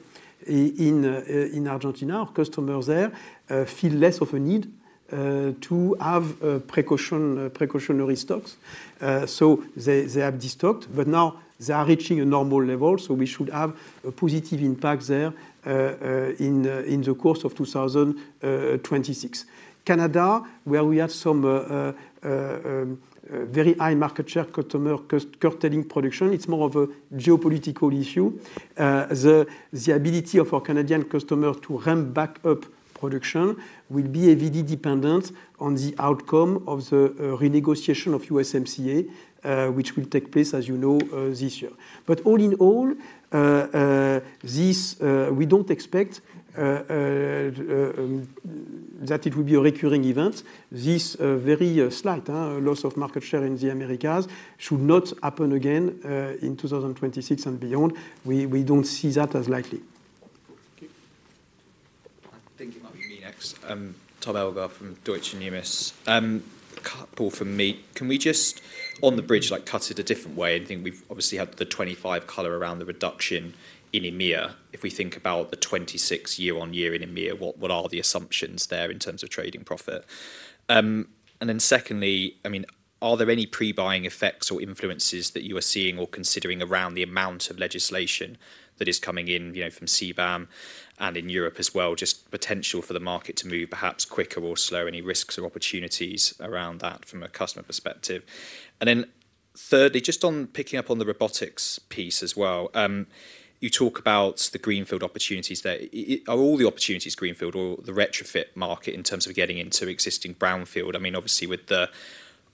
Speaker 1: in Argentina, our customers there feel less of a need to have precautionary stocks. They have destocked, but now they are reaching a normal level, so we should have a positive impact there in the course of 2026. Canada, where we have some very high market share customer curtailing production. It's more of a geopolitical issue. The ability of our Canadian customer to ramp back up production will be heavily dependent on the outcome of the renegotiation of USMCA, which will take place, as you know, this year. All in all, we don't expect that it will be a recurring event. This very slight loss of market share in the Americas should not happen again in 2026 and beyond. We don't see that as likely.
Speaker 4: Thank you.
Speaker 5: I think it might be me next. I'm Thomas Elgar from Deutsche Numis. Couple from me. Can we just on the bridge, like cut it a different way? I think we've obviously had the 2025 color around the reduction in EMEA. If we think about the 2026 year-on-year in EMEA, what are the assumptions there in terms of trading profit? Secondly, I mean, are there any pre-buying effects or influences that you are seeing or considering around the amount of legislation that is coming in, you know, from CBAM and in Europe as well? Just potential for the market to move perhaps quicker or slower, any risks or opportunities around that from a customer perspective. Then thirdly, just on picking up on the robotics piece as well. You talk about the greenfield opportunities there. Are all the opportunities greenfield or the retrofit market in terms of getting into existing brownfield? I mean, obviously with the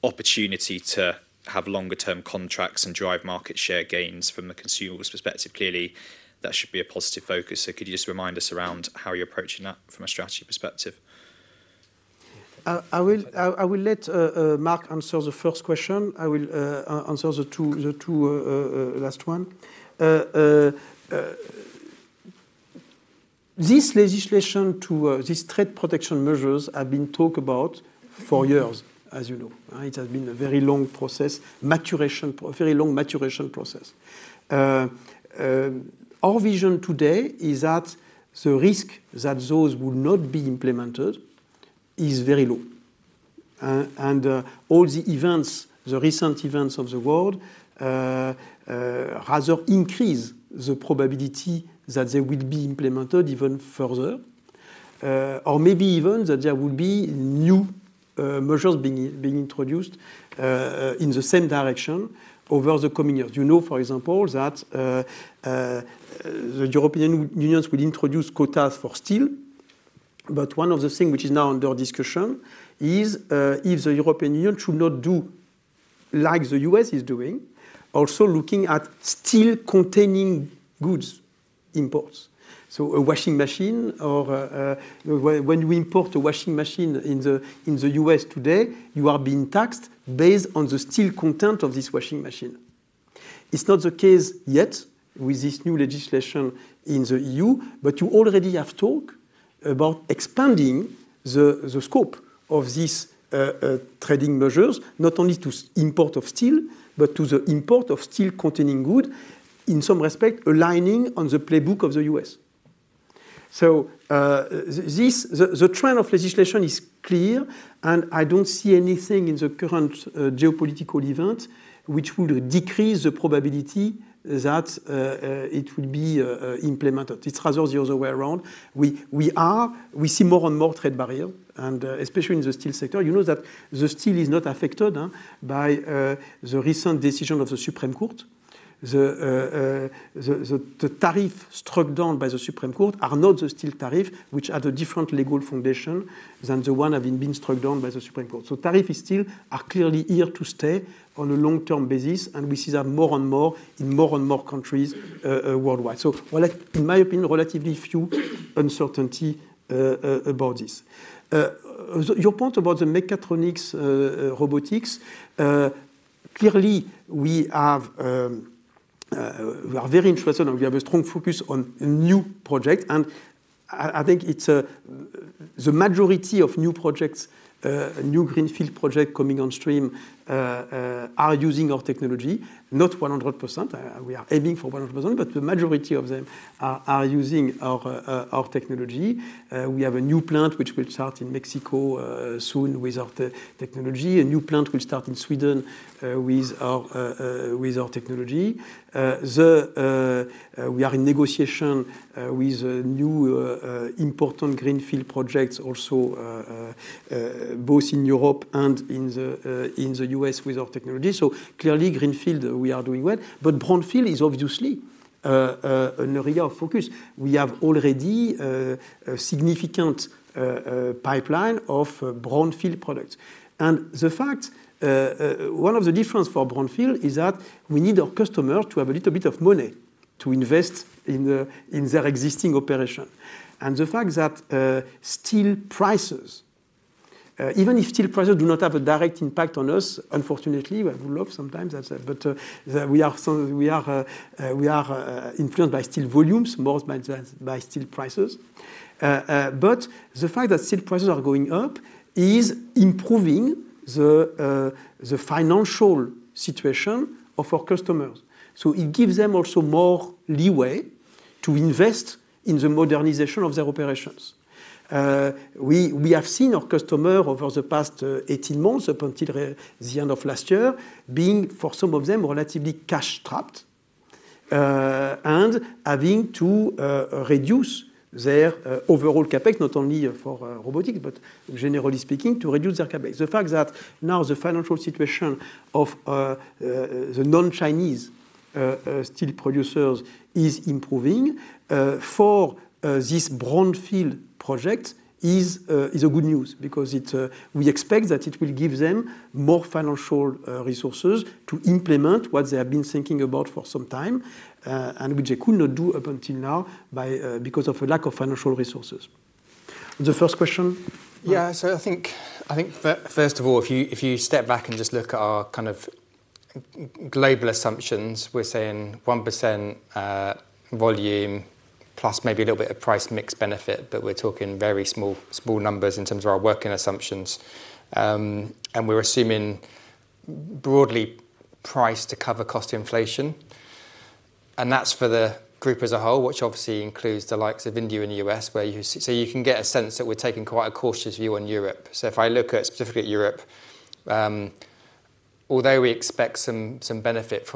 Speaker 5: opportunity to have longer term contracts and drive market share gains from the consumer's perspective, clearly that should be a positive focus. Could you just remind us around how you're approaching that from a strategy perspective?
Speaker 1: I will let Mark answer the first question. I will answer the last two. These trade protection measures have been talked about for years, as you know, right? It has been a very long maturation process. Our vision today is that the risk that those will not be implemented is very low. All the recent events of the world rather increase the probability that they will be implemented even further, or maybe even that there will be new measures being introduced in the same direction over the coming years. You know, for example, that the European Union will introduce quotas for steel. One of the things which is now under discussion is if the European Union should not do like the U.S. is doing, also looking at steel containing goods imports. A washing machine or when we import a washing machine in the U.S. today, you are being taxed based on the steel content of this washing machine. It's not the case yet with this new legislation in the E.U., but you already have talk about expanding the scope of these trading measures, not only to import of steel, but to the import of steel containing goods, in some respect, aligning on the playbook of the U.S. The trend of legislation is clear, and I don't see anything in the current geopolitical event which would decrease the probability that it would be implemented. It's rather the other way around. We see more and more trade barrier, and especially in the steel sector. You know that the steel is not affected by the recent decision of the Supreme Court. The tariff struck down by the Supreme Court are not the steel tariff, which are the different legal foundation than the one having been struck down by the Supreme Court. Tariffs are still clearly here to stay on a long-term basis, and we see them more and more in more and more countries worldwide. Well, like in my opinion, relatively few uncertainty about this. Your point about the mechatronics, robotics, clearly we are very interested and we have a strong focus on new projects. I think it's the majority of new greenfield projects coming on stream are using our technology, not 100%. We are aiming for 100%, but the majority of them are using our technology. We have a new plant which will start in Mexico soon with our technology. A new plant will start in Sweden with our technology. We are in negotiation with new important greenfield projects also both in Europe and in the U.S. with our technology. Clearly greenfield, we are doing well. Brownfield is obviously an area of focus. We have already a significant pipeline of brownfield products. The fact one of the difference for brownfield is that we need our customer to have a little bit of money to invest in their existing operation. The fact that steel prices even if steel prices do not have a direct impact on us, unfortunately, we would love sometimes, I'd say. We are influenced by steel volumes more than by steel prices. The fact that steel prices are going up is improving the financial situation of our customers. It gives them also more leeway to invest in the modernization of their operations. We have seen our customer over the past 18 months up until the end of last year being, for some of them, relatively cash trapped and having to reduce their overall CapEx, not only for robotics, but generally speaking, to reduce their CapEx. The fact that now the financial situation of the non-Chinese steel producers is improving for this brownfield project is a good news because we expect that it will give them more financial resources to implement what they have been thinking about for some time, and which they could not do up until now because of a lack of financial resources. The first question?
Speaker 2: Yeah. I think first of all, if you step back and just look at our kind of global assumptions, we're saying 1% volume plus maybe a little bit of price mix benefit, but we're talking very small numbers in terms of our working assumptions. We're assuming broadly price to cover cost inflation. That's for the group as a whole, which obviously includes the likes of India and U.S., where you can get a sense that we're taking quite a cautious view on Europe. If I look specifically at Europe, although we expect some benefit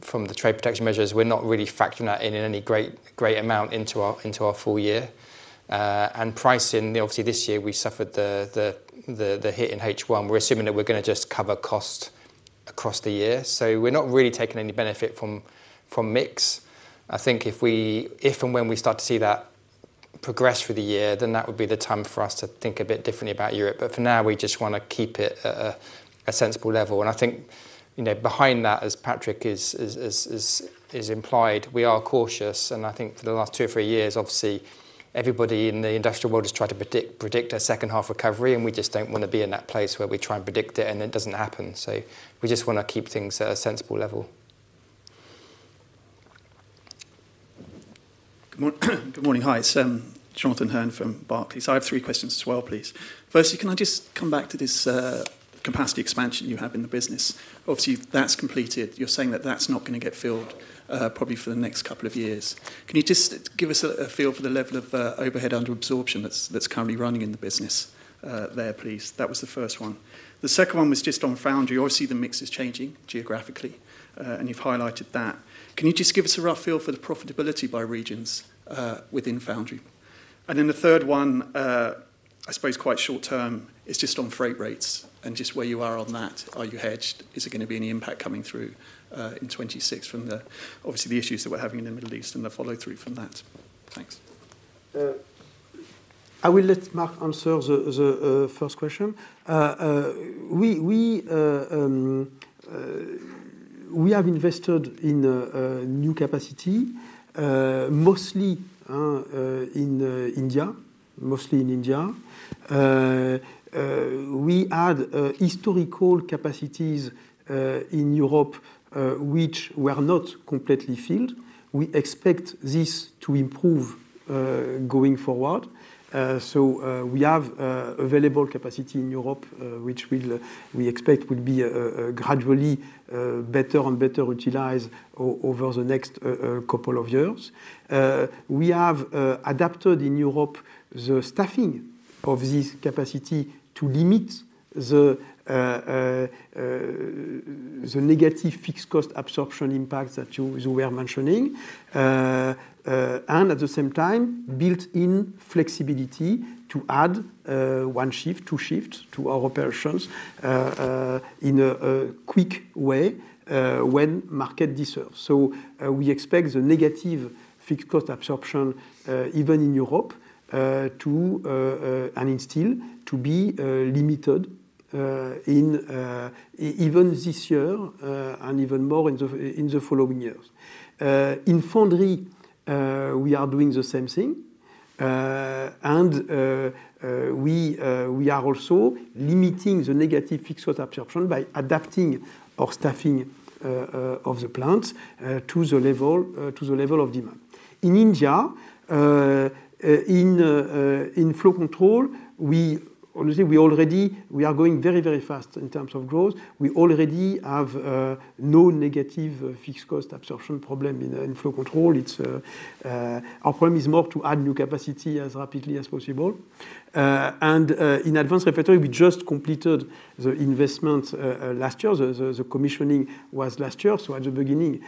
Speaker 2: from the trade protection measures, we're not really factoring that in in any great amount into our full year. Pricing, obviously this year, we suffered the hit in H1. We're assuming that we're gonna just cover cost across the year. We're not really taking any benefit from mix. I think if and when we start to see that progress through the year, then that would be the time for us to think a bit differently about Europe. For now, we just wanna keep it at a sensible level. I think, you know, behind that, as Patrick is implied, we are cautious. I think for the last two, three years, obviously everybody in the industrial world has tried to predict a second half recovery, and we just don't wanna be in that place where we try and predict it, and it doesn't happen. We just wanna keep things at a sensible level.
Speaker 6: Good morning. Hi, it's Jonathan Hurn from Barclays. I have three questions as well, please. Firstly, can I just come back to this capacity expansion you have in the business? Obviously, that's completed. You're saying that that's not gonna get filled probably for the next couple of years. Can you just give us a feel for the level of overhead under absorption that's currently running in the business there, please? That was the first one. The second one was just on Foundry. Obviously, the mix is changing geographically and you've highlighted that. Can you just give us a rough feel for the profitability by regions within Foundry? And then the third one, I suppose quite short-term, is just on freight rates and just where you are on that. Are you hedged? Is there gonna be any impact coming through, in 2026 from the, obviously the issues that we're having in the Middle East and the follow-through from that? Thanks.
Speaker 1: I will let Mark answer the first question. We have invested in new capacity, mostly in India, mostly in India. We had historical capacities in Europe which were not completely filled. We expect this to improve going forward. We have available capacity in Europe which will, we expect, will be gradually better and better utilized over the next couple of years. We have adapted in Europe the staffing of this capacity to limit the negative fixed cost absorption impacts that you were mentioning. At the same time, built in flexibility to add one shift, two shifts to our operations in a quick way when the market demands. We expect the negative fixed cost absorption even in Europe and in steel to be limited even this year and even more in the following years. In Foundry, we are doing the same thing. We are also limiting the negative fixed cost absorption by adapting our staffing of the plants to the level of demand. In India, in Flow Control, we honestly are already going very, very fast in terms of growth. We already have no negative fixed cost absorption problem in Flow Control. Our problem is more to add new capacity as rapidly as possible. In Advanced Refractories, we just completed the investment last year. The commissioning was last year, so at the beginning.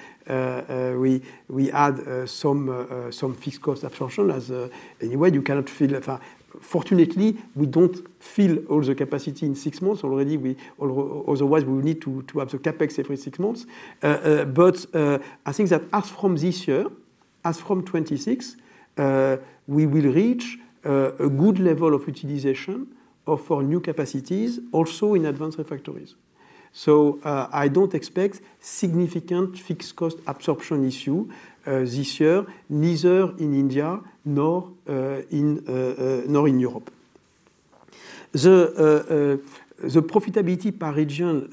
Speaker 1: We add some fixed cost absorption as anyway, you cannot fill that. Fortunately, we don't fill all the capacity in six months. Otherwise, we need to have the CapEx every six months. I think that as from this year, as from 2026, we will reach a good level of utilization of our new capacities also in Advanced Refractories. I don't expect significant fixed cost absorption issue this year, neither in India nor in Europe. The profitability per region,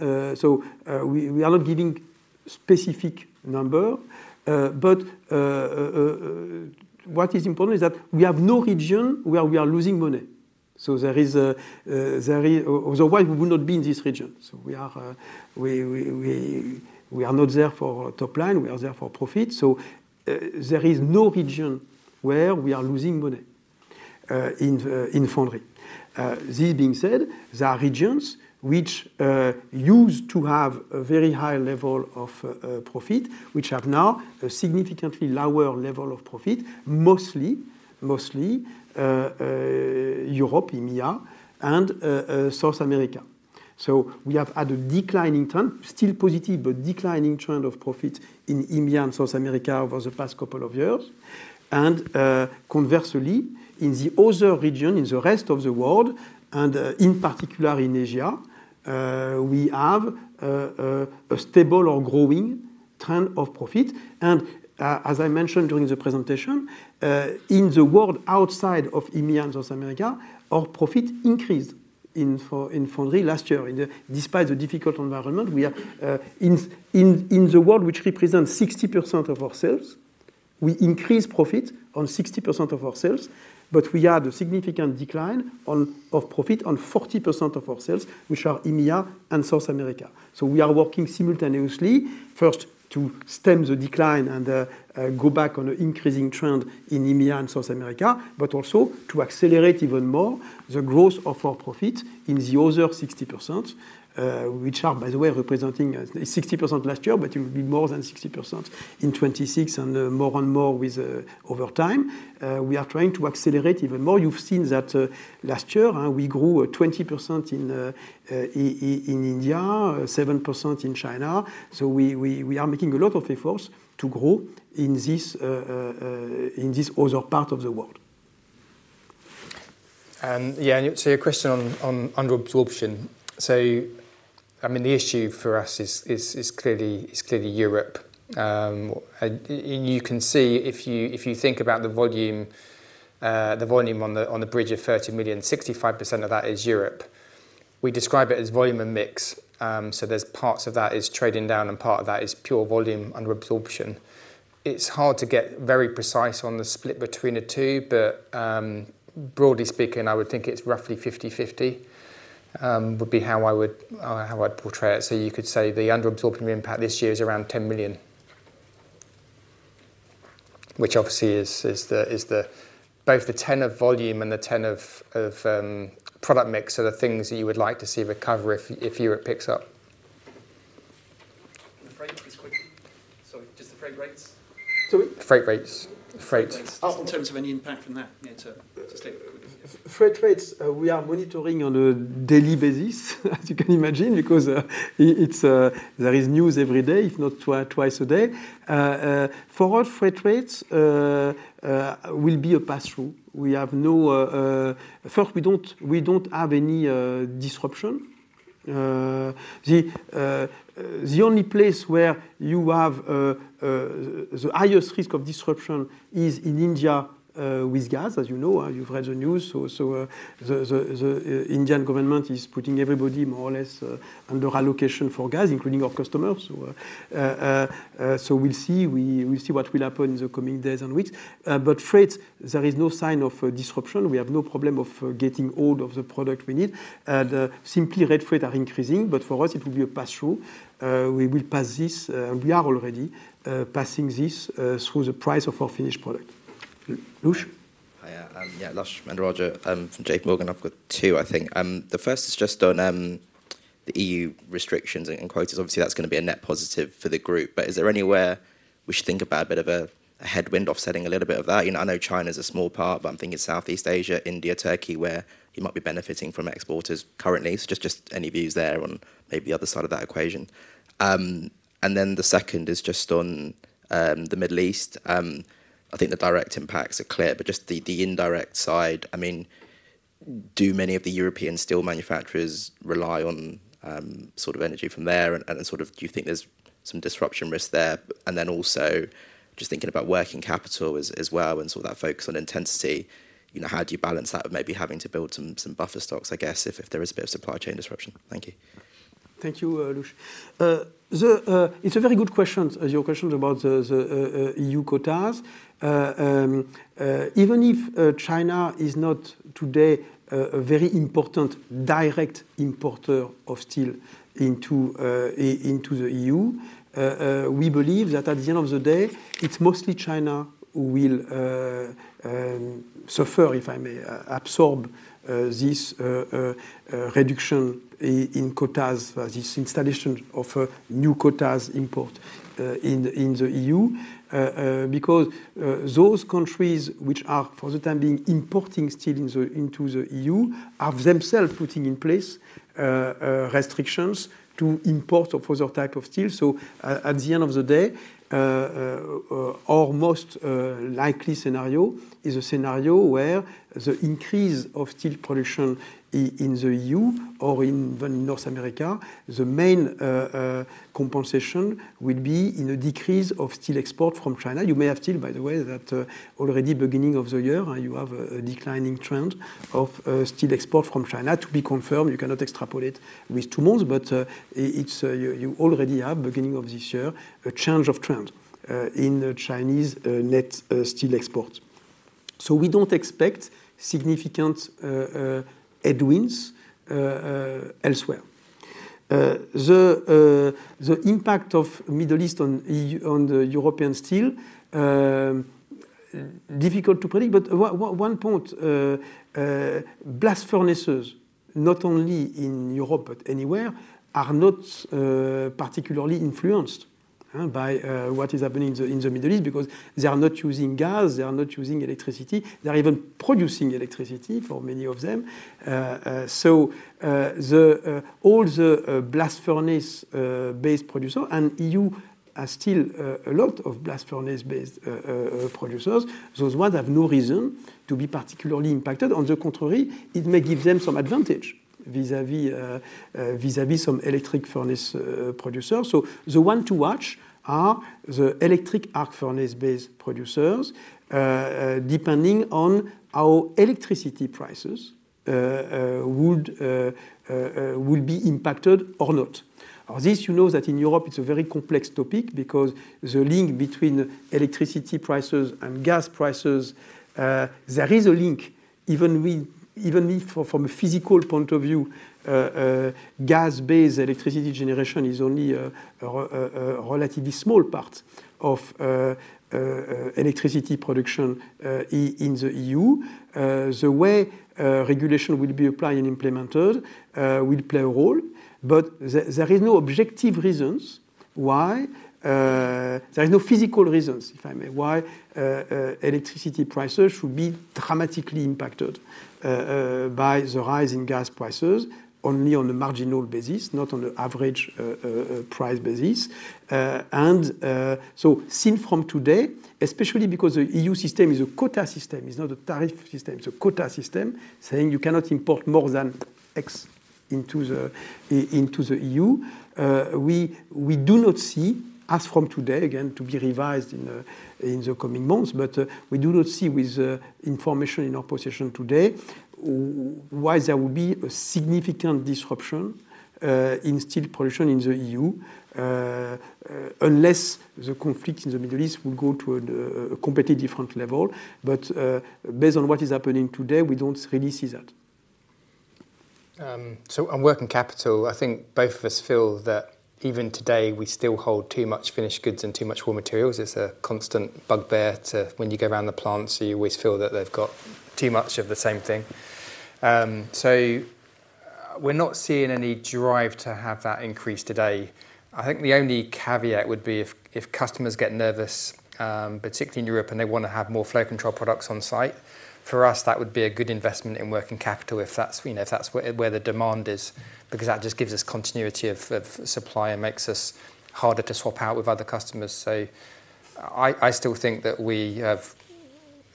Speaker 1: we are not giving specific number, but what is important is that we have no region where we are losing money. Otherwise, we would not be in this region. We are not there for top line, we are there for profit. There is no region where we are losing money in Foundry. This being said, there are regions which used to have a very high level of profit, which have now a significantly lower level of profit, mostly Europe, EMEA, and South America. We have had a declining trend, still positive, but declining trend of profit in EMEA and South America over the past couple of years. Conversely, in the other region, in the rest of the world, and in particular in Asia, we have a stable or growing trend of profit. As I mentioned during the presentation, in the world outside of EMEA and South America, our profit increased in Foundry last year. Despite the difficult environment, we are in the world which represents 60% of our sales, we increased profit on 60% of our sales, but we had a significant decline of profit on 40% of our sales, which are EMEA and South America. We are working simultaneously, first to stem the decline and go back on an increasing trend in EMEA and South America, but also to accelerate even more the growth of our profit in the other 60%, which are, by the way, representing 60% last year, but it will be more than 60% in 2026 and more and more over time. We are trying to accelerate even more. You've seen that last year we grew 20% in India, 7% in China. We are making a lot of efforts to grow in this other part of the world.
Speaker 2: Yeah. To your question on under absorption. The issue for us is clearly Europe. You can see if you think about the volume, the volume on the bridge of 30 million, 65% of that is Europe. We describe it as volume and mix. There's parts of that is trading down, and part of that is pure volume under absorption. It's hard to get very precise on the split between the two, but broadly speaking, I would think it's roughly 50-50, would be how I'd portray it. You could say the under absorption impact this year is around 10 million, which obviously is the both the 10 million of volume and the 10 million of product mix are the things that you would like to see recover if Europe picks up.
Speaker 6: The freight this quarter. Sorry, just the freight rates.
Speaker 2: Sorry, freight rates. Freight.
Speaker 6: Freight rates. Just in terms of any impact from that near-term, just to
Speaker 1: Freight rates, we are monitoring on a daily basis as you can imagine, because it's there is news every day, if not twice a day. For our freight rates will be a pass-through. We have no. First, we don't have any disruption. The only place where you have the highest risk of disruption is in India with gas, as you know. You've read the news. The Indian government is putting everybody more or less under allocation for gas, including our customers. We'll see what will happen in the coming days and weeks. Freight, there is no sign of disruption. We have no problem of getting all of the product we need. The freight rates are increasing, but for us it will be a pass-through. We are already passing this through the price of our finished product. Lush.
Speaker 7: Hiya. Lush Mahendrarajah from JPMorgan. I've got two, I think. The first is just on the E.U. restrictions and quotas. Obviously, that's gonna be a net positive for the group. Is there anywhere we should think about a bit of a headwind offsetting a little bit of that? You know, I know China's a small part, but I'm thinking Southeast Asia, India, Turkey, where you might be benefiting from exporters currently. Just any views there on maybe the other side of that equation. The second is just on the Middle East. I think the direct impacts are clear, but just the indirect side. I mean, do many of the European steel manufacturers rely on sort of energy from there? Sort of do you think there's some disruption risk there? Then also just thinking about working capital as well and sort of that focus on intensity, you know, how do you balance that with maybe having to build some buffer stocks, I guess, if there is a bit of supply chain disruption? Thank you.
Speaker 1: Thank you, Lush. It's a very good question, your question about the E.U. quotas. Even if China is not today a very important direct importer of steel into the E.U., we believe that at the end of the day, it's mostly China who will suffer, if I may observe, this reduction in quotas, this installation of new import quotas in the E.U. Because those countries which are for the time being importing steel into the E.U. are themselves putting in place restrictions on import of other type of steel. At the end of the day, our most likely scenario is a scenario where the increase of steel production in the E.U. or even in North America, the main compensation will be in a decrease of steel export from China. You may have seen, by the way, that already beginning of the year you have a declining trend of steel export from China. To be confirmed, you cannot extrapolate with two months, but it's you already have beginning of this year a change of trend in Chinese net steel export. We don't expect significant headwinds elsewhere. The impact of the Middle East on the European steel difficult to predict, but one point, blast furnaces, not only in Europe but anywhere, are not particularly influenced by what is happening in the Middle East because they are not using gas, they are not using electricity, they are even producing electricity for many of them. All the blast furnace-based producers in the E.U. are still a lot of blast furnace-based producers. Those ones have no reason to be particularly impacted. On the contrary, it may give them some advantage vis-à-vis some electric furnace producers. The one to watch are the electric arc furnace-based producers, depending on how electricity prices will be impacted or not. You know that in Europe it's a very complex topic because the link between electricity prices and gas prices. There is a link even if from a physical point of view. Gas-based electricity generation is only a relatively small part of electricity production in the E.U. The way regulation will be applied and implemented will play a role. There is no objective reasons why there is no physical reasons, if I may, why electricity prices should be dramatically impacted by the rise in gas prices only on a marginal basis, not on the average price basis. Seen from today, especially because the E.U. system is a quota system, it's not a tariff system. It's a quota system saying you cannot import more than X into the E.U. We do not see, as from today, again, to be revised in the coming months, but we do not see with the information in our possession today why there will be a significant disruption in steel production in the E.U. unless the conflict in the Middle East will go to an completely different level. Based on what is happening today, we don't really see that.
Speaker 2: On working capital, I think both of us feel that even today we still hold too much finished goods and too much raw materials. It's a constant bugbear to when you go around the plants, you always feel that they've got too much of the same thing. We're not seeing any drive to have that increase today. I think the only caveat would be if customers get nervous, particularly in Europe and they wanna have more flow control products on site. For us, that would be a good investment in working capital if that's, you know, if that's where the demand is because that just gives us continuity of supply and makes us harder to swap out with other customers. I still think that we have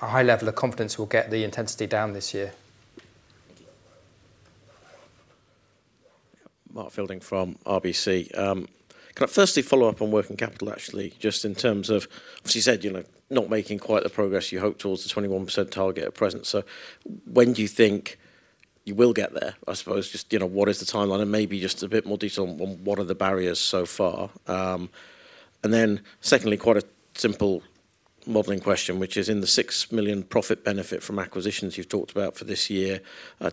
Speaker 2: a high level of confidence we'll get the intensity down this year.
Speaker 1: Thank you.
Speaker 8: Mark Fielding from RBC. Can I firstly follow up on working capital actually, just in terms of, as you said, you know, not making quite the progress you hope towards the 21% target at present. When do you think you will get there? I suppose just, you know, what is the timeline and maybe just a bit more detail on what are the barriers so far. Secondly, quite a simple modeling question, which is in the 6 million profit benefit from acquisitions you've talked about for this year,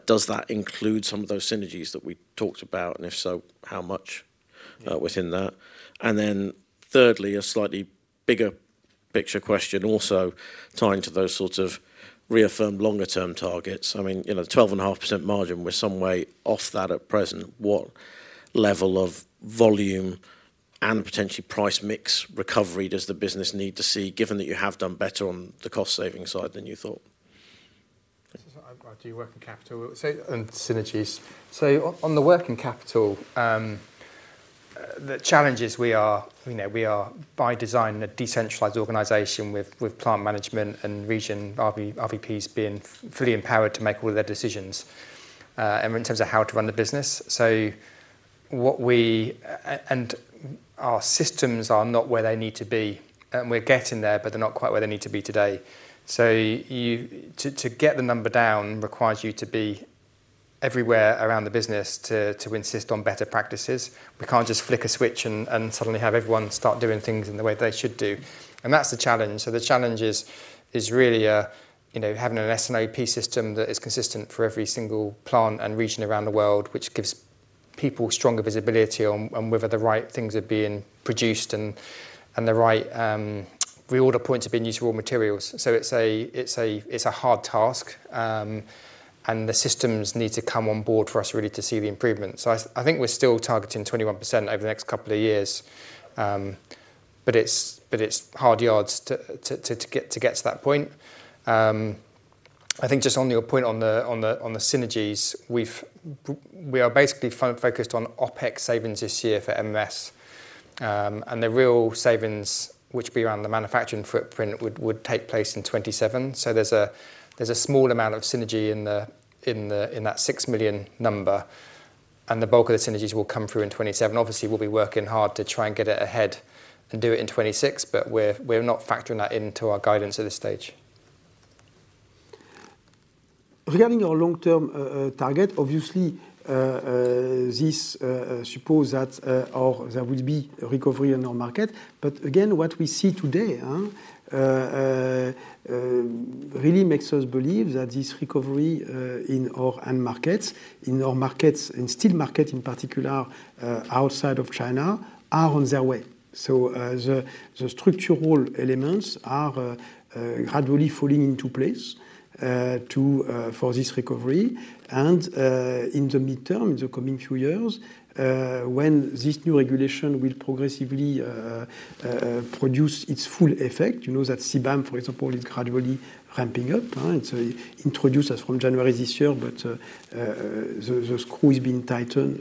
Speaker 8: does that include some of those synergies that we talked about? And if so, how much within that? Thirdly, a slightly bigger picture question also tying to those sort of reaffirmed longer term targets. I mean, you know, 12.5% margin, we're some way off that at present. What level of volume and potentially price mix recovery does the business need to see given that you have done better on the cost saving side than you thought?
Speaker 2: I'll do working capital and synergies. On the working capital, the challenges we are by design a decentralized organization with plant management and region RVPs being fully empowered to make all their decisions in terms of how to run the business. Our systems are not where they need to be, and we're getting there, but they're not quite where they need to be today. To get the number down requires you to be everywhere around the business to insist on better practices. We can't just flick a switch and suddenly have everyone start doing things in the way they should do. That's the challenge. The challenge is really, you know, having an SAP system that is consistent for every single plant and region around the world, which gives people stronger visibility on whether the right things are being produced and the right reorder points are being used for raw materials. It's a hard task, and the systems need to come on board for us really to see the improvement. I think we're still targeting 21% over the next couple of years, but it's hard yards to get to that point. I think just on your point on the synergies, we are basically focused on OpEx savings this year for MMS. The real savings which will be around the manufacturing footprint would take place in 2027. There's a small amount of synergy in that 6 million number, and the bulk of the synergies will come through in 2027. Obviously, we'll be working hard to try and get it ahead and do it in 2026, but we're not factoring that into our guidance at this stage.
Speaker 1: Regarding our long-term target, obviously, this supposes that there will be recovery in our market. Again, what we see today really makes us believe that this recovery in our end markets, in our markets, in steel market in particular, outside of China, are on their way. The structural elements are gradually falling into place for this recovery. In the medium term, in the coming few years, when this new regulation will progressively produce its full effect, you know that CBAM, for example, is gradually ramping up, and so introduced as from January this year, but the screw is being tightened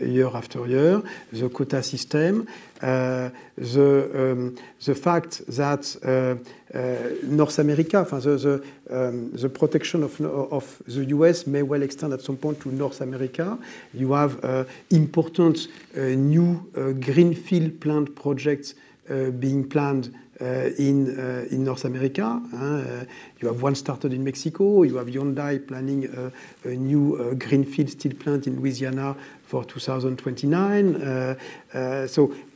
Speaker 1: year after year. The quota system, the fact that the protection of the U.S. may well extend at some point to North America. You have important new greenfield plant projects being planned in North America. You have one started in Mexico. You have Hyundai planning a new greenfield steel plant in Louisiana for 2029.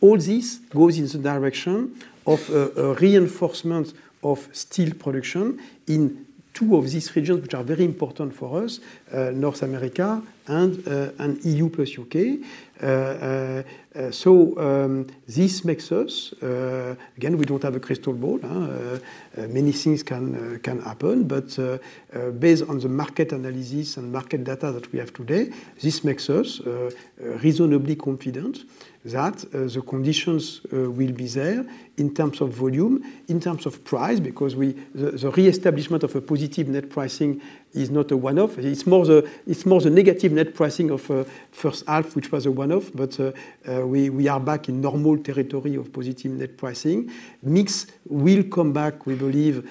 Speaker 1: All this goes in the direction of a reinforcement of steel production in two of these regions which are very important for us, North America and E.U. plus U.K. This makes us, again, we don't have a crystal ball. Many things can happen, but based on the market analysis and market data that we have today, this makes us reasonably confident that the conditions will be there in terms of volume, in terms of price, because the reestablishment of a positive net pricing is not a one-off. It's more the negative net pricing of first half, which was a one-off. We are back in normal territory of positive net pricing. Mix will come back, we believe.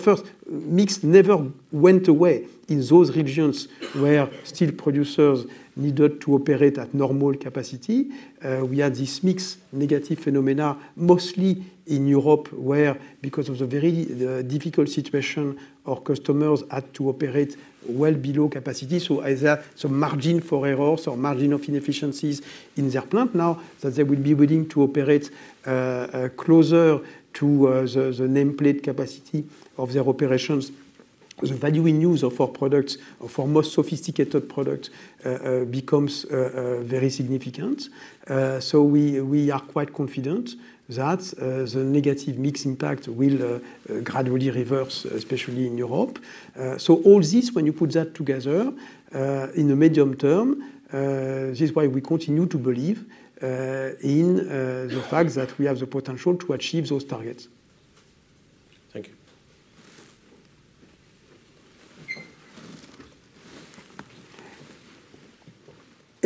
Speaker 1: First, mix never went away in those regions where steel producers needed to operate at normal capacity. We had this mix negative phenomena mostly in Europe, where because of the very difficult situation, our customers had to operate well below capacity. Either some margin for errors or margin of inefficiencies in their plant now that they will be willing to operate closer to the nameplate capacity of their operations. The value we use of our products, of our most sophisticated product, becomes very significant. We are quite confident that the negative mix impact will gradually reverse, especially in Europe. All this, when you put that together, in the medium term, this is why we continue to believe in the fact that we have the potential to achieve those targets.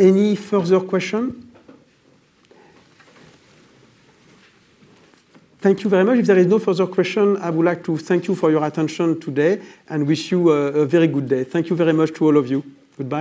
Speaker 8: Thank you.
Speaker 1: Any further question? Thank you very much. If there is no further question, I would like to thank you for your attention today and wish you a very good day. Thank you very much to all of you. Goodbye.